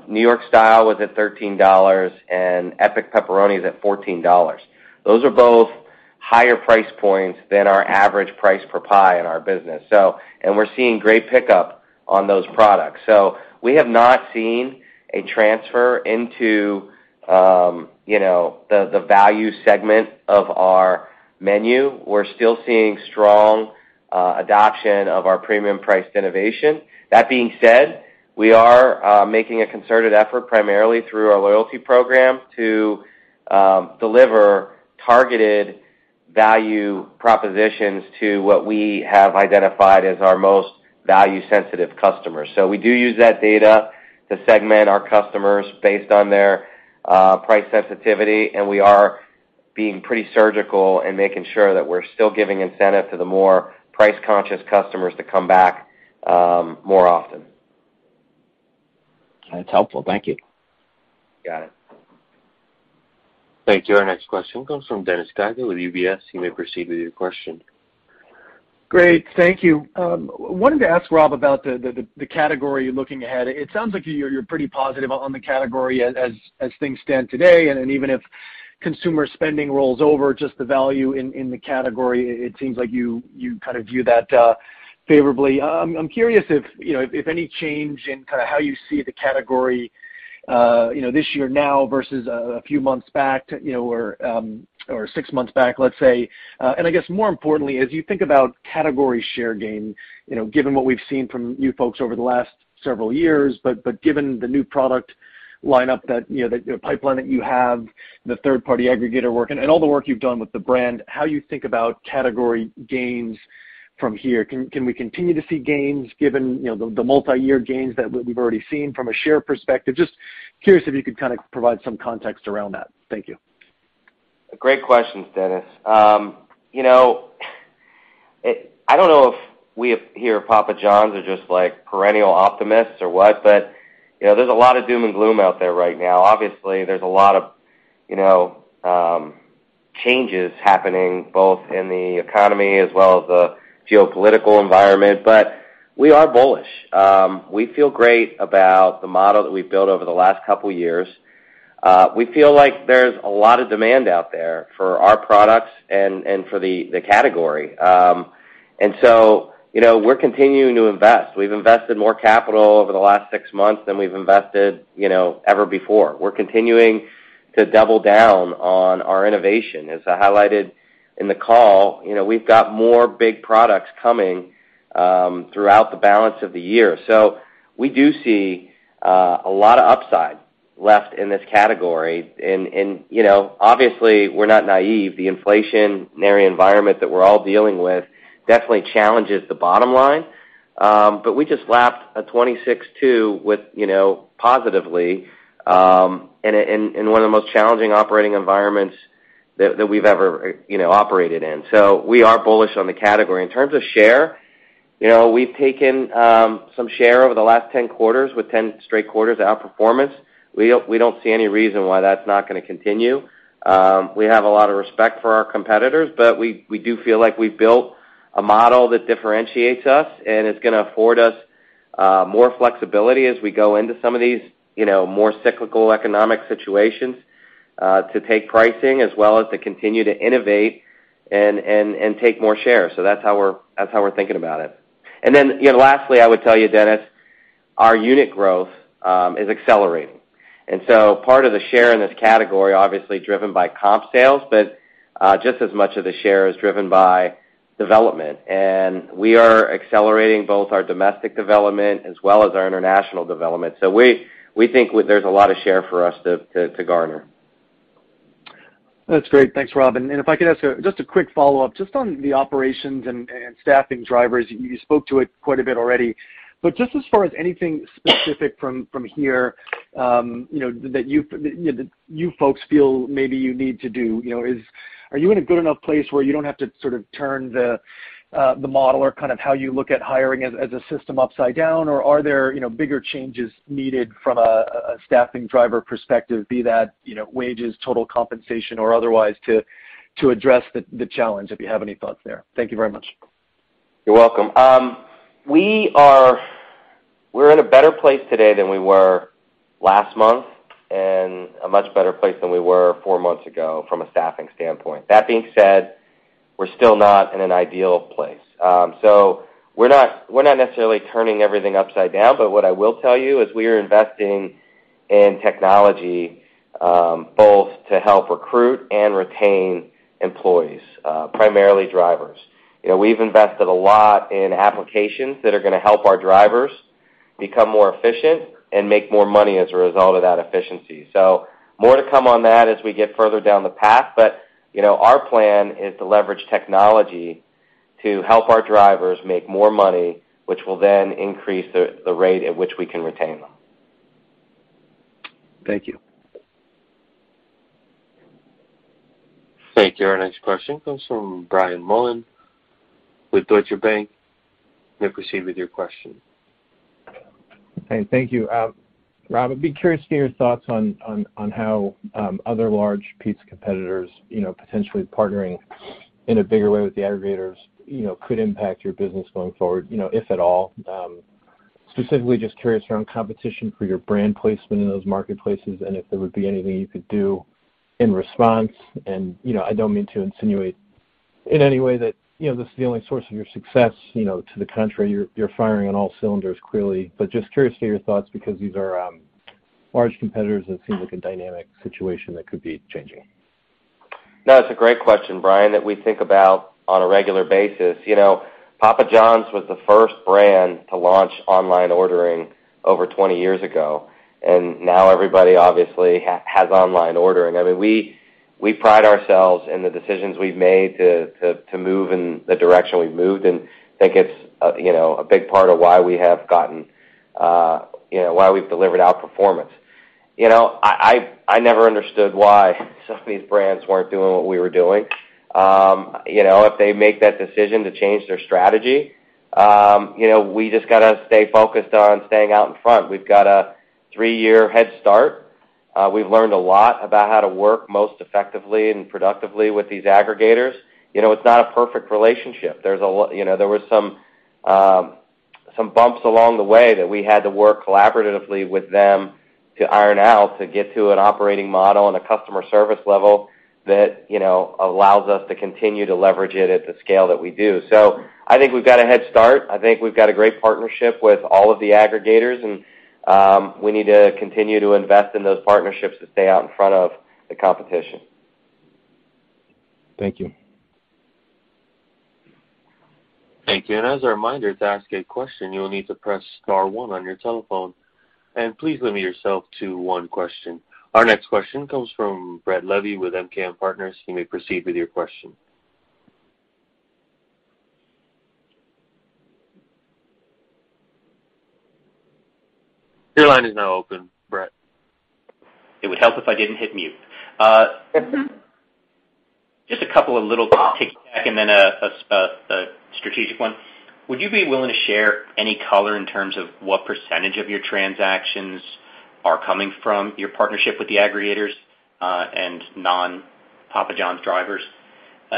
New York style was at $13, and Epic Pepperoni is at $14. Those are both higher price points than our average price per pie in our business. We're seeing great pickup on those products. We have not seen a transfer into, you know, the value segment of our menu. We're still seeing strong adoption of our premium priced innovation. That being said, we are making a concerted effort primarily through our loyalty program to deliver targeted value propositions to what we have identified as our most value-sensitive customers. We do use that data to segment our customers based on their price sensitivity, and we are being pretty surgical and making sure that we're still giving incentive to the more price-conscious customers to come back more often. That's helpful. Thank you. Got it. Thank you. Our next question comes from Dennis Geiger with UBS. You may proceed with your question. Great. Thank you. Wanted to ask Rob about the category you're looking ahead. It sounds like you're pretty positive on the category as things stand today, and then even if consumer spending rolls over, just the value in the category, it seems like you kind of view that favorably. I'm curious if, you know, if any change in kind of how you see the category, you know, this year now versus a few months back, you know, or six months back, let's say. I guess more importantly, as you think about category share gain, you know, given what we've seen from you folks over the last several years, but given the new product lineup that, you know, the pipeline that you have, the third-party aggregator work and all the work you've done with the brand, how you think about category gains from here? Can we continue to see gains given, you know, the multi-year gains that we've already seen from a share perspective? Just curious if you could kind of provide some context around that. Thank you. Great questions, Dennis. You know, I don't know if we have here at Papa John's are just, like perennial optimists or what, but you know, there's a lot of doom and gloom out there right now. Obviously, there's a lot of, you know, changes happening both in the economy as well as the geopolitical environment. We are bullish. We feel great about the model that we've built over the last couple of years. We feel like there's a lot of demand out there for our products and for the category. You know, we're continuing to invest. We've invested more capital over the last six months than we've invested, you know, ever before. We're continuing to double down on our innovation. As I highlighted in the call, you know, we've got more big products coming throughout the balance of the year. We do see a lot of upside left in this category. You know, obviously, we're not naive. The inflationary environment that we're all dealing with definitely challenges the bottom line. We just lapped a 26.2% with, you know, positively, in one of the most challenging operating environments that we've ever, you know, operated in. We are bullish on the category. In terms of share, you know, we've taken some share over the last 10 quarters with 10 straight quarters of outperformance. We don't see any reason why that's not gonna continue. We have a lot of respect for our competitors, but we do feel like we've built a model that differentiates us and is gonna afford us more flexibility as we go into some of these, you know, more cyclical economic situations to take pricing as well as to continue to innovate and take more shares. That's how we're thinking about it. You know, lastly, I would tell you, Dennis, our unit growth is accelerating. Part of the share in this category is obviously driven by comp sales, but just as much of the share is driven by development. We are accelerating both our domestic development as well as our international development. We think there's a lot of share for us to garner. That's great. Thanks, Rob. If I could ask just a quick follow-up, just on the operations and staffing drivers. You spoke to it quite a bit already, but just as far as anything specific from here, you know, that you folks feel maybe you need to do, you know, are you in a good enough place where you don't have to sort of turn the model or kind of how you look at hiring as a system upside down, or are there, you know, bigger changes needed from a staffing driver perspective, be that, you know, wages, total compensation or otherwise, to address the challenge, if you have any thoughts there? Thank you very much. You're welcome. We're in a better place today than we were last month and a much better place than we were four months ago from a staffing standpoint. That being said, we're still not in an ideal place. We're not necessarily turning everything upside down, but what I will tell you is we are investing in technology, both to help recruit and retain employees, primarily drivers. You know, we've invested a lot in applications that are gonna help our drivers become more efficient and make more money as a result of that efficiency. More to come on that as we get further down the path. You know, our plan is to leverage technology to help our drivers make more money, which will then increase the rate at which we can retain them. Thank you. Thank you. Our next question comes from Brian Mullan with Deutsche Bank. You may proceed with your question. Hey, thank you. Rob, I'd be curious to your thoughts on how other large pizza competitors, you know, potentially partnering in a bigger way with the aggregators, you know, could impact your business going forward, you know, if at all. Specifically just curious around competition for your brand placement in those marketplaces and if there would be anything you could do in response. You know, I don't mean to insinuate in any way that, you know, this is the only source of your success, you know, to the contrary, you're firing on all cylinders, clearly. Just curious to your thoughts because these are large competitors and it seems like a dynamic situation that could be changing. No, it's a great question, Brian, that we think about on a regular basis. You know, Papa John's was the first brand to launch online ordering over 20 years ago, and now everybody obviously has online ordering. I mean, we pride ourselves in the decisions we've made to move in the direction we've moved, and I think it's a big part of why we have gotten why we've delivered outperformance. You know, I never understood why some of these brands weren't doing what we were doing. You know, if they make that decision to change their strategy, you know, we just gotta stay focused on staying out in front. We've got a three-year head start. We've learned a lot about how to work most effectively and productively with these aggregators. You know, it's not a perfect relationship. You know, there were some bumps along the way that we had to work collaboratively with them to iron out to get to an operating model and a customer service level that, you know, allows us to continue to leverage it at the scale that we do. I think we've got a head start. I think we've got a great partnership with all of the aggregators, and we need to continue to invest in those partnerships to stay out in front of the competition. Thank you. Thank you. As a reminder, to ask a question, you will need to press star one on your telephone, and please limit yourself to one question. Our next question comes from Brett Levy with MKM Partners. You may proceed with your question. Your line is now open, Brett. It would help if I didn't hit mute. Mm-hmm. Just a couple of little ticks, and then a strategic one. Would you be willing to share any color in terms of what percentage of your transactions are coming from your partnership with the aggregators, and non-Papa John's drivers?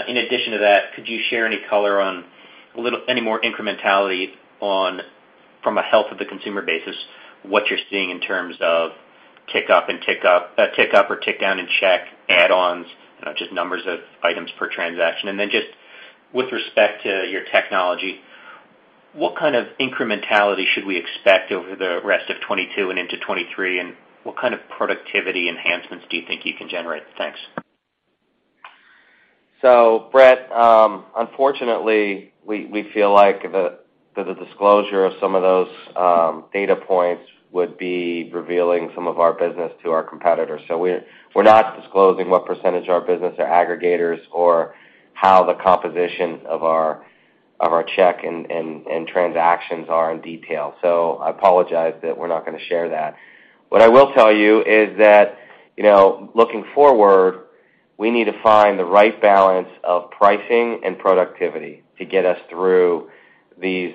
In addition to that, could you share any color on any more incrementality on, from a health of the consumer basis, what you're seeing in terms of tick up, tick up or tick down in check add-ons, you know, just numbers of items per transaction. Just with respect to your technology, what kind of incrementality should we expect over the rest of 2022 and into 2023? What kind of productivity enhancements do you think you can generate? Thanks. Brett, unfortunately, we feel like the disclosure of some of those data points would be revealing some of our business to our competitors. We're not disclosing what percentage of our business are aggregators or how the composition of our check and transactions are in detail. I apologize that we're not gonna share that. What I will tell you is that, you know, looking forward, we need to find the right balance of pricing and productivity to get us through these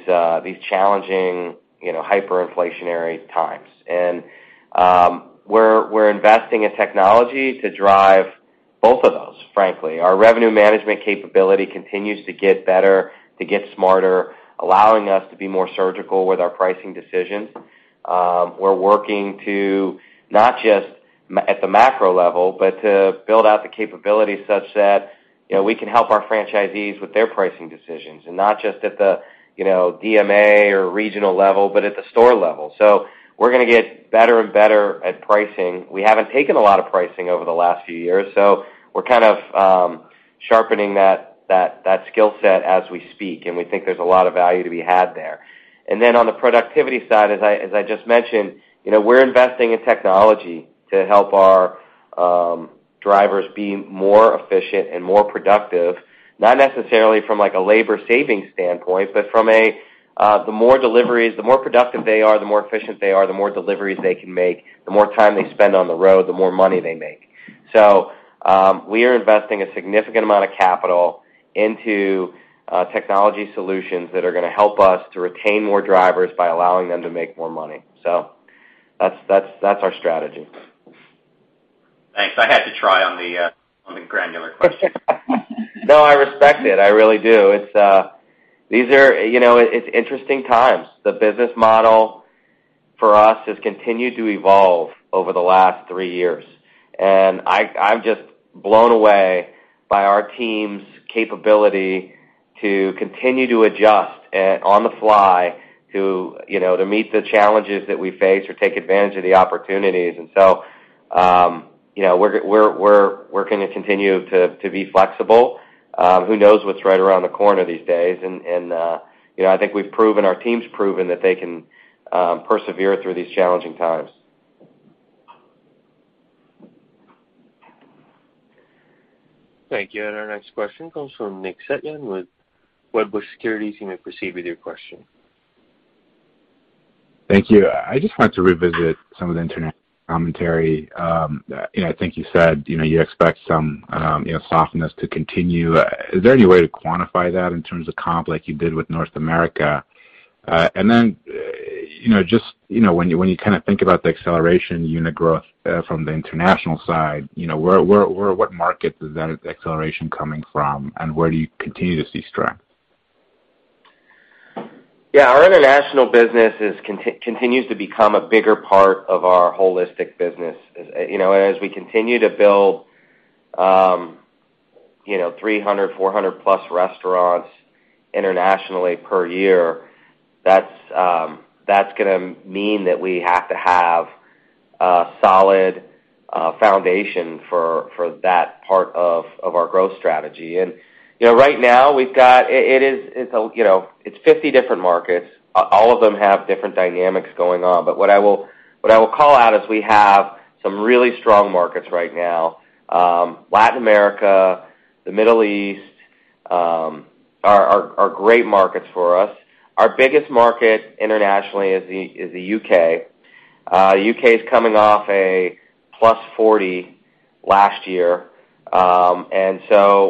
challenging, you know, hyperinflationary times. We're investing in technology to drive both of those, frankly. Our revenue management capability continues to get better, to get smarter, allowing us to be more surgical with our pricing decisions. We're working to not just at the macro level, but to build out the capabilities such that, you know, we can help our franchisees with their pricing decisions, and not just at the, you know, DMA or regional level, but at the store level. We're gonna get better and better at pricing. We haven't taken a lot of pricing over the last few years, so we're kind of sharpening that skill set as we speak, and we think there's a lot of value to be had there. On the productivity side, as I just mentioned, you know, we're investing in technology to help our drivers be more efficient and more productive, not necessarily from, like, a labor savings standpoint, but from the more deliveries, the more productive they are, the more efficient they are, the more deliveries they can make, the more time they spend on the road, the more money they make. So, we are investing a significant amount of capital into technology solutions that are gonna help us to retain more drivers by allowing them to make more money. So that's our strategy. Thanks. I had to try on the granular question. No, I respect it. I really do. These are, you know, it's interesting times. The business model for us has continued to evolve over the last three years, and I'm just blown away by our team's capability to continue to adjust on the fly to, you know, to meet the challenges that we face or take advantage of the opportunities. You know, we're gonna continue to be flexible. Who knows what's right around the corner these days? You know, I think we've proven, our team's proven that they can persevere through these challenging times. Thank you. Our next question comes from Nick Setyan with Wedbush Securities. You may proceed with your question. Thank you. I just wanted to revisit some of the internet commentary. You know, I think you said, you know, you expect some, you know, softness to continue. Is there any way to quantify that in terms of comp like you did with North America? And then, you know, just, you know, when you kind of think about the acceleration unit growth, from the international side, you know, where what markets is that acceleration coming from, and where do you continue to see strength? Yeah, our international business continues to become a bigger part of our holistic business. As you know, as we continue to build 300-400+ restaurants internationally per year, that's gonna mean that we have to have a solid foundation for that part of our growth strategy. You know, right now it is a, you know, it's 50 different markets. All of them have different dynamics going on. What I will call out is we have some really strong markets right now, Latin America, the Middle East are great markets for us. Our biggest market internationally is the U.K. U.K. is coming off a +40% last year.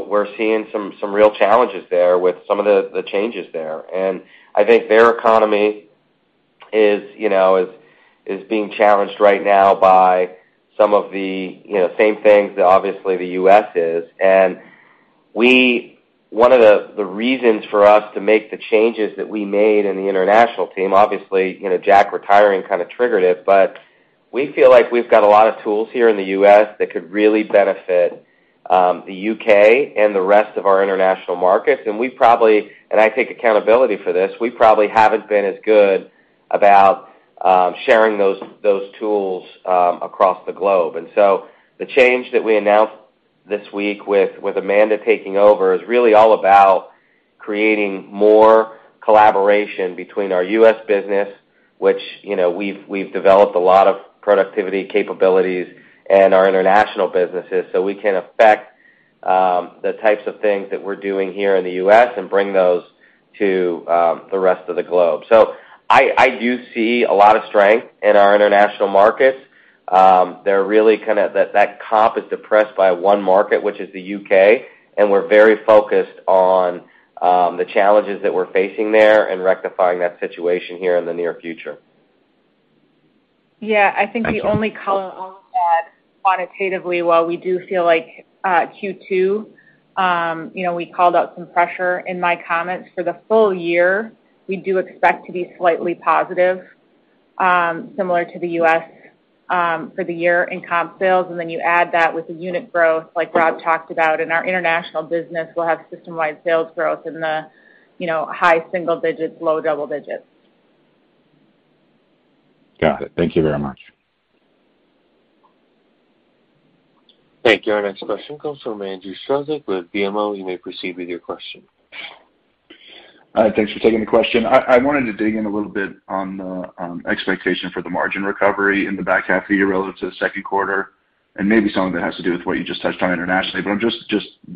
We're seeing some real challenges there with some of the changes there. I think their economy is being challenged right now by some of the same things that obviously the U.S. is. One of the reasons for us to make the changes that we made in the international team, obviously, Jack retiring kind of triggered it, but we feel like we've got a lot of tools here in the U.S. that could really benefit the U.K. and the rest of our international markets. We probably, and I take accountability for this, we probably haven't been as good about sharing those tools across the globe. The change that we announced this week with Amanda taking over is really all about creating more collaboration between our U.S. business, which, you know, we've developed a lot of productivity capabilities and our international businesses, so we can effect the types of things that we're doing here in the U.S. And bring those to the rest of the globe. I do see a lot of strength in our international markets. They're really kind of that comp is depressed by one market, which is the U.K., and we're very focused on the challenges that we're facing there and rectifying that situation here in the near future. Yeah. Thank you. I think the only call quantitatively, while we do feel like Q2, you know, we called out some pressure in my comments for the full year, we do expect to be slightly positive, similar to the U.S., for the year in comp sales. Then you add that with the unit growth like Rob talked about, and our international business will have system-wide sales growth in the high single digits, low double digits. Got it. Thank you very much. Thank you. Our next question comes from Andrew Strelzik with BMO. You may proceed with your question. Thanks for taking the question. I wanted to dig in a little bit on the expectation for the margin recovery in the back half of the year relative to the second quarter, and maybe something that has to do with what you just touched on internationally. I'm just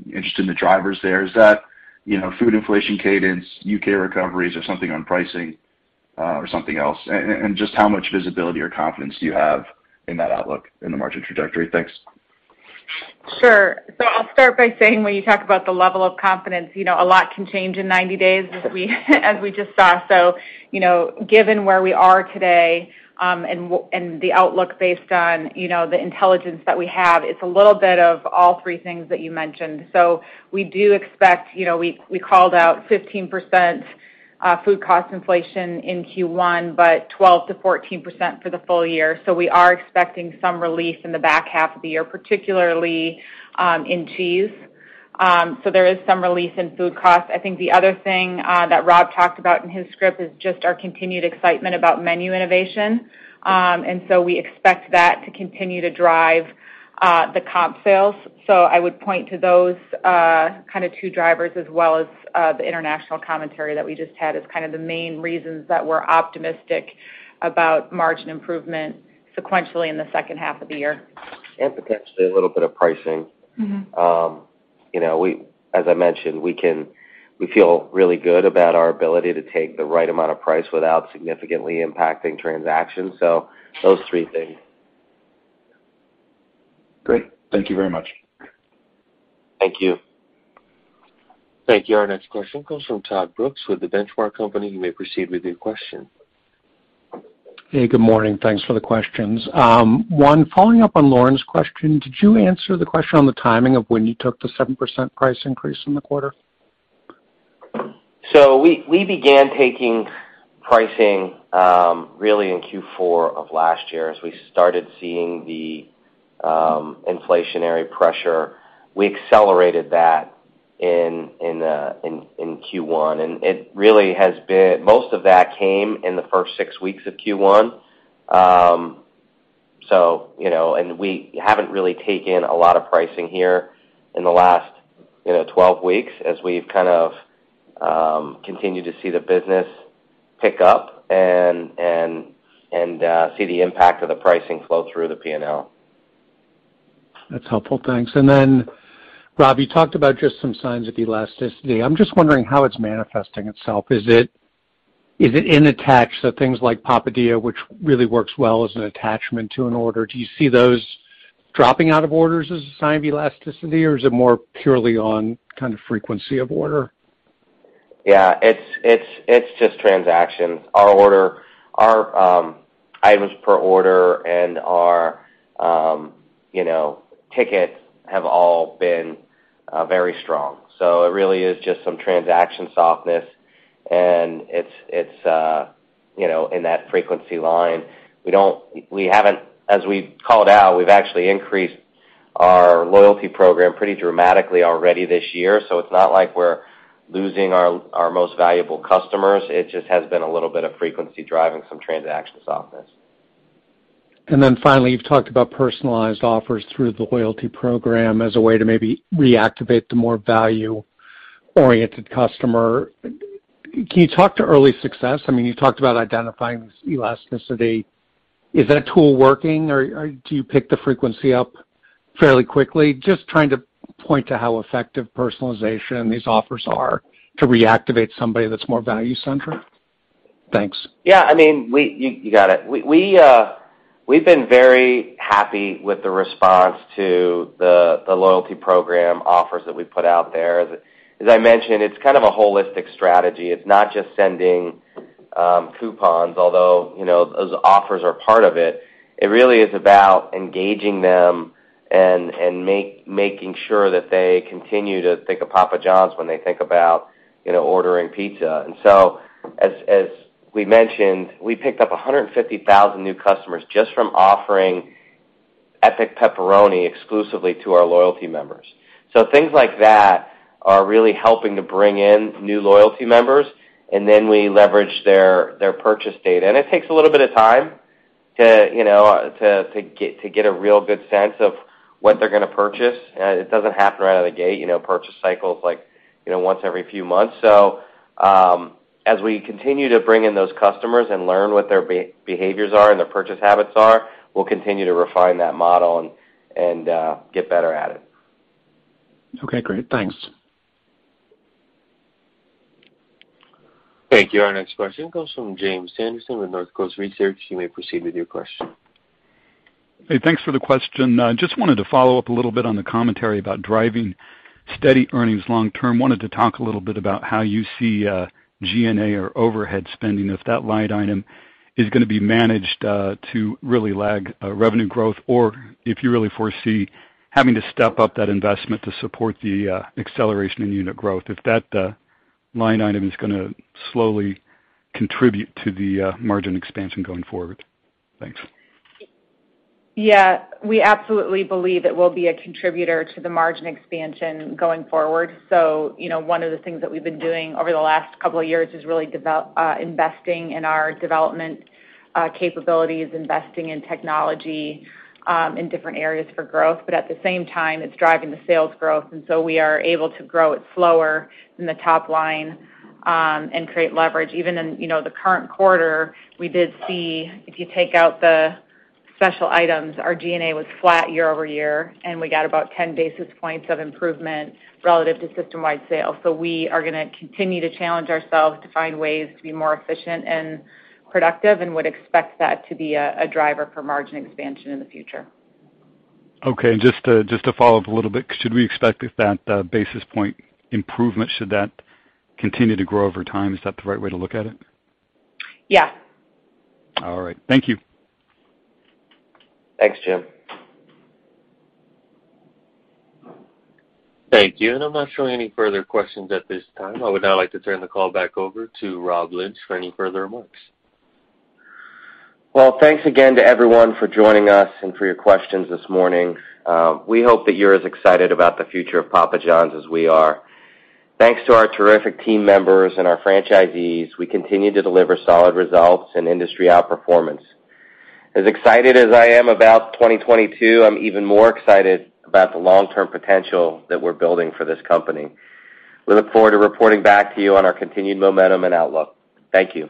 interested in the drivers there. Is that, you know, food inflation cadence, U.K. recoveries or something on pricing, or something else? And just how much visibility or confidence do you have in that outlook in the margin trajectory? Thanks. Sure. I'll start by saying when you talk about the level of confidence, you know, a lot can change in 90 days as we just saw. You know, given where we are today, and the outlook based on, you know, the intelligence that we have, it's a little bit of all three things that you mentioned. We do expect, you know, we called out 15% food cost inflation in Q1, but 12%-14% for the full year. We are expecting some relief in the back half of the year, particularly in cheese. There is some relief in food costs. I think the other thing that Rob talked about in his script is just our continued excitement about menu innovation. We expect that to continue to drive the comp sales. I would point to those kind of two drivers as well as the international commentary that we just had as kind of the main reasons that we're optimistic about margin improvement sequentially in the second half of the year. Potentially a little bit of pricing. Mm-hmm. You know, as I mentioned, we feel really good about our ability to take the right amount of price without significantly impacting transactions. Those three things. Great. Thank you very much. Thank you. Thank you. Our next question comes from Todd Brooks with The Benchmark Company. You may proceed with your question. Hey, good morning. Thanks for the questions. One, following up on Lauren's question, did you answer the question on the timing of when you took the 7% price increase in the quarter? We began taking pricing really in Q4 of last year as we started seeing the inflationary pressure. We accelerated that in Q1, and it really has been, most of that came in the first six weeks of Q1. You know, we haven't really taken a lot of pricing here in the last, you know, 12 weeks as we've kind of continued to see the business pick up and see the impact of the pricing flow through the P&L. That's helpful. Thanks. Rob, you talked about just some signs of elasticity. I'm just wondering how it's manifesting itself. Is it in attachments, so things like Papadia, which really works well as an attachment to an order, do you see those dropping out of orders as a sign of elasticity, or is it more purely on kind of frequency of order? Yeah, it's just transactions. Our orders, items per order and our tickets have all been very strong. It really is just some transaction softness, and it's, you know, in that frequency line. As we called out, we've actually increased our loyalty program pretty dramatically already this year, so it's not like we're losing our most valuable customers. It just has been a little bit of frequency driving some transaction softness. Then finally, you've talked about personalized offers through the loyalty program as a way to maybe reactivate the more value-oriented customer. Can you talk to early success? I mean, you talked about identifying this elasticity. Is that tool working or do you pick the frequency up fairly quickly? Just trying to point to how effective personalization these offers are to reactivate somebody that's more value-centric. Thanks. Yeah, I mean, you got it. We've been very happy with the response to the loyalty program offers that we put out there. As I mentioned, it's kind of a holistic strategy. It's not just sending coupons, although, you know, those offers are part of it. It really is about engaging them and making sure that they continue to think of Papa John's when they think about, you know, ordering pizza. As we mentioned, we picked up 150,000 new customers just from offering Epic Pepperoni exclusively to our loyalty members. Things like that are really helping to bring in new loyalty members, and then we leverage their purchase data. It takes a little bit of time to, you know, get a real good sense of what they're gonna purchase. It doesn't happen right out of the gate, you know, purchase cycles like once every few months. As we continue to bring in those customers and learn what their behaviors are and their purchase habits are, we'll continue to refine that model and get better at it. Okay, great. Thanks. Thank you. Our next question comes from Jim Sanderson with Northcoast Research. You may proceed with your question. Hey, thanks for the question. Just wanted to follow up a little bit on the commentary about driving steady earnings long term. Wanted to talk a little bit about how you see G&A or overhead spending, if that line item is gonna be managed to really lag revenue growth, or if you really foresee having to step up that investment to support the acceleration in unit growth, if that line item is gonna slowly contribute to the margin expansion going forward. Thanks. Yeah, we absolutely believe it will be a contributor to the margin expansion going forward. You know, one of the things that we've been doing over the last couple of years is really investing in our development capabilities, investing in technology in different areas for growth, but at the same time, it's driving the sales growth, and so we are able to grow it slower in the top line and create leverage. Even in, you know, the current quarter, we did see if you take out the special items, our G&A was flat year-over-year, and we got about 10 basis points of improvement relative to system-wide sales. We are gonna continue to challenge ourselves to find ways to be more efficient and productive and would expect that to be a driver for margin expansion in the future. Okay. Just to follow up a little bit, should we expect if that basis point improvement, should that continue to grow over time? Is that the right way to look at it? Yeah. All right. Thank you. Thanks, Jim. Thank you. I'm not showing any further questions at this time. I would now like to turn the call back over to Rob Lynch for any further remarks. Well, thanks again to everyone for joining us and for your questions this morning. We hope that you're as excited about the future of Papa John's as we are. Thanks to our terrific team members and our franchisees. We continue to deliver solid results and industry outperformance. As excited as I am about 2022, I'm even more excited about the long-term potential that we're building for this company. We look forward to reporting back to you on our continued momentum and outlook. Thank you.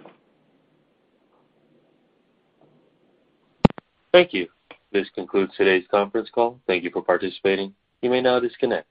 Thank you. This concludes today's conference call. Thank you for participating. You may now disconnect.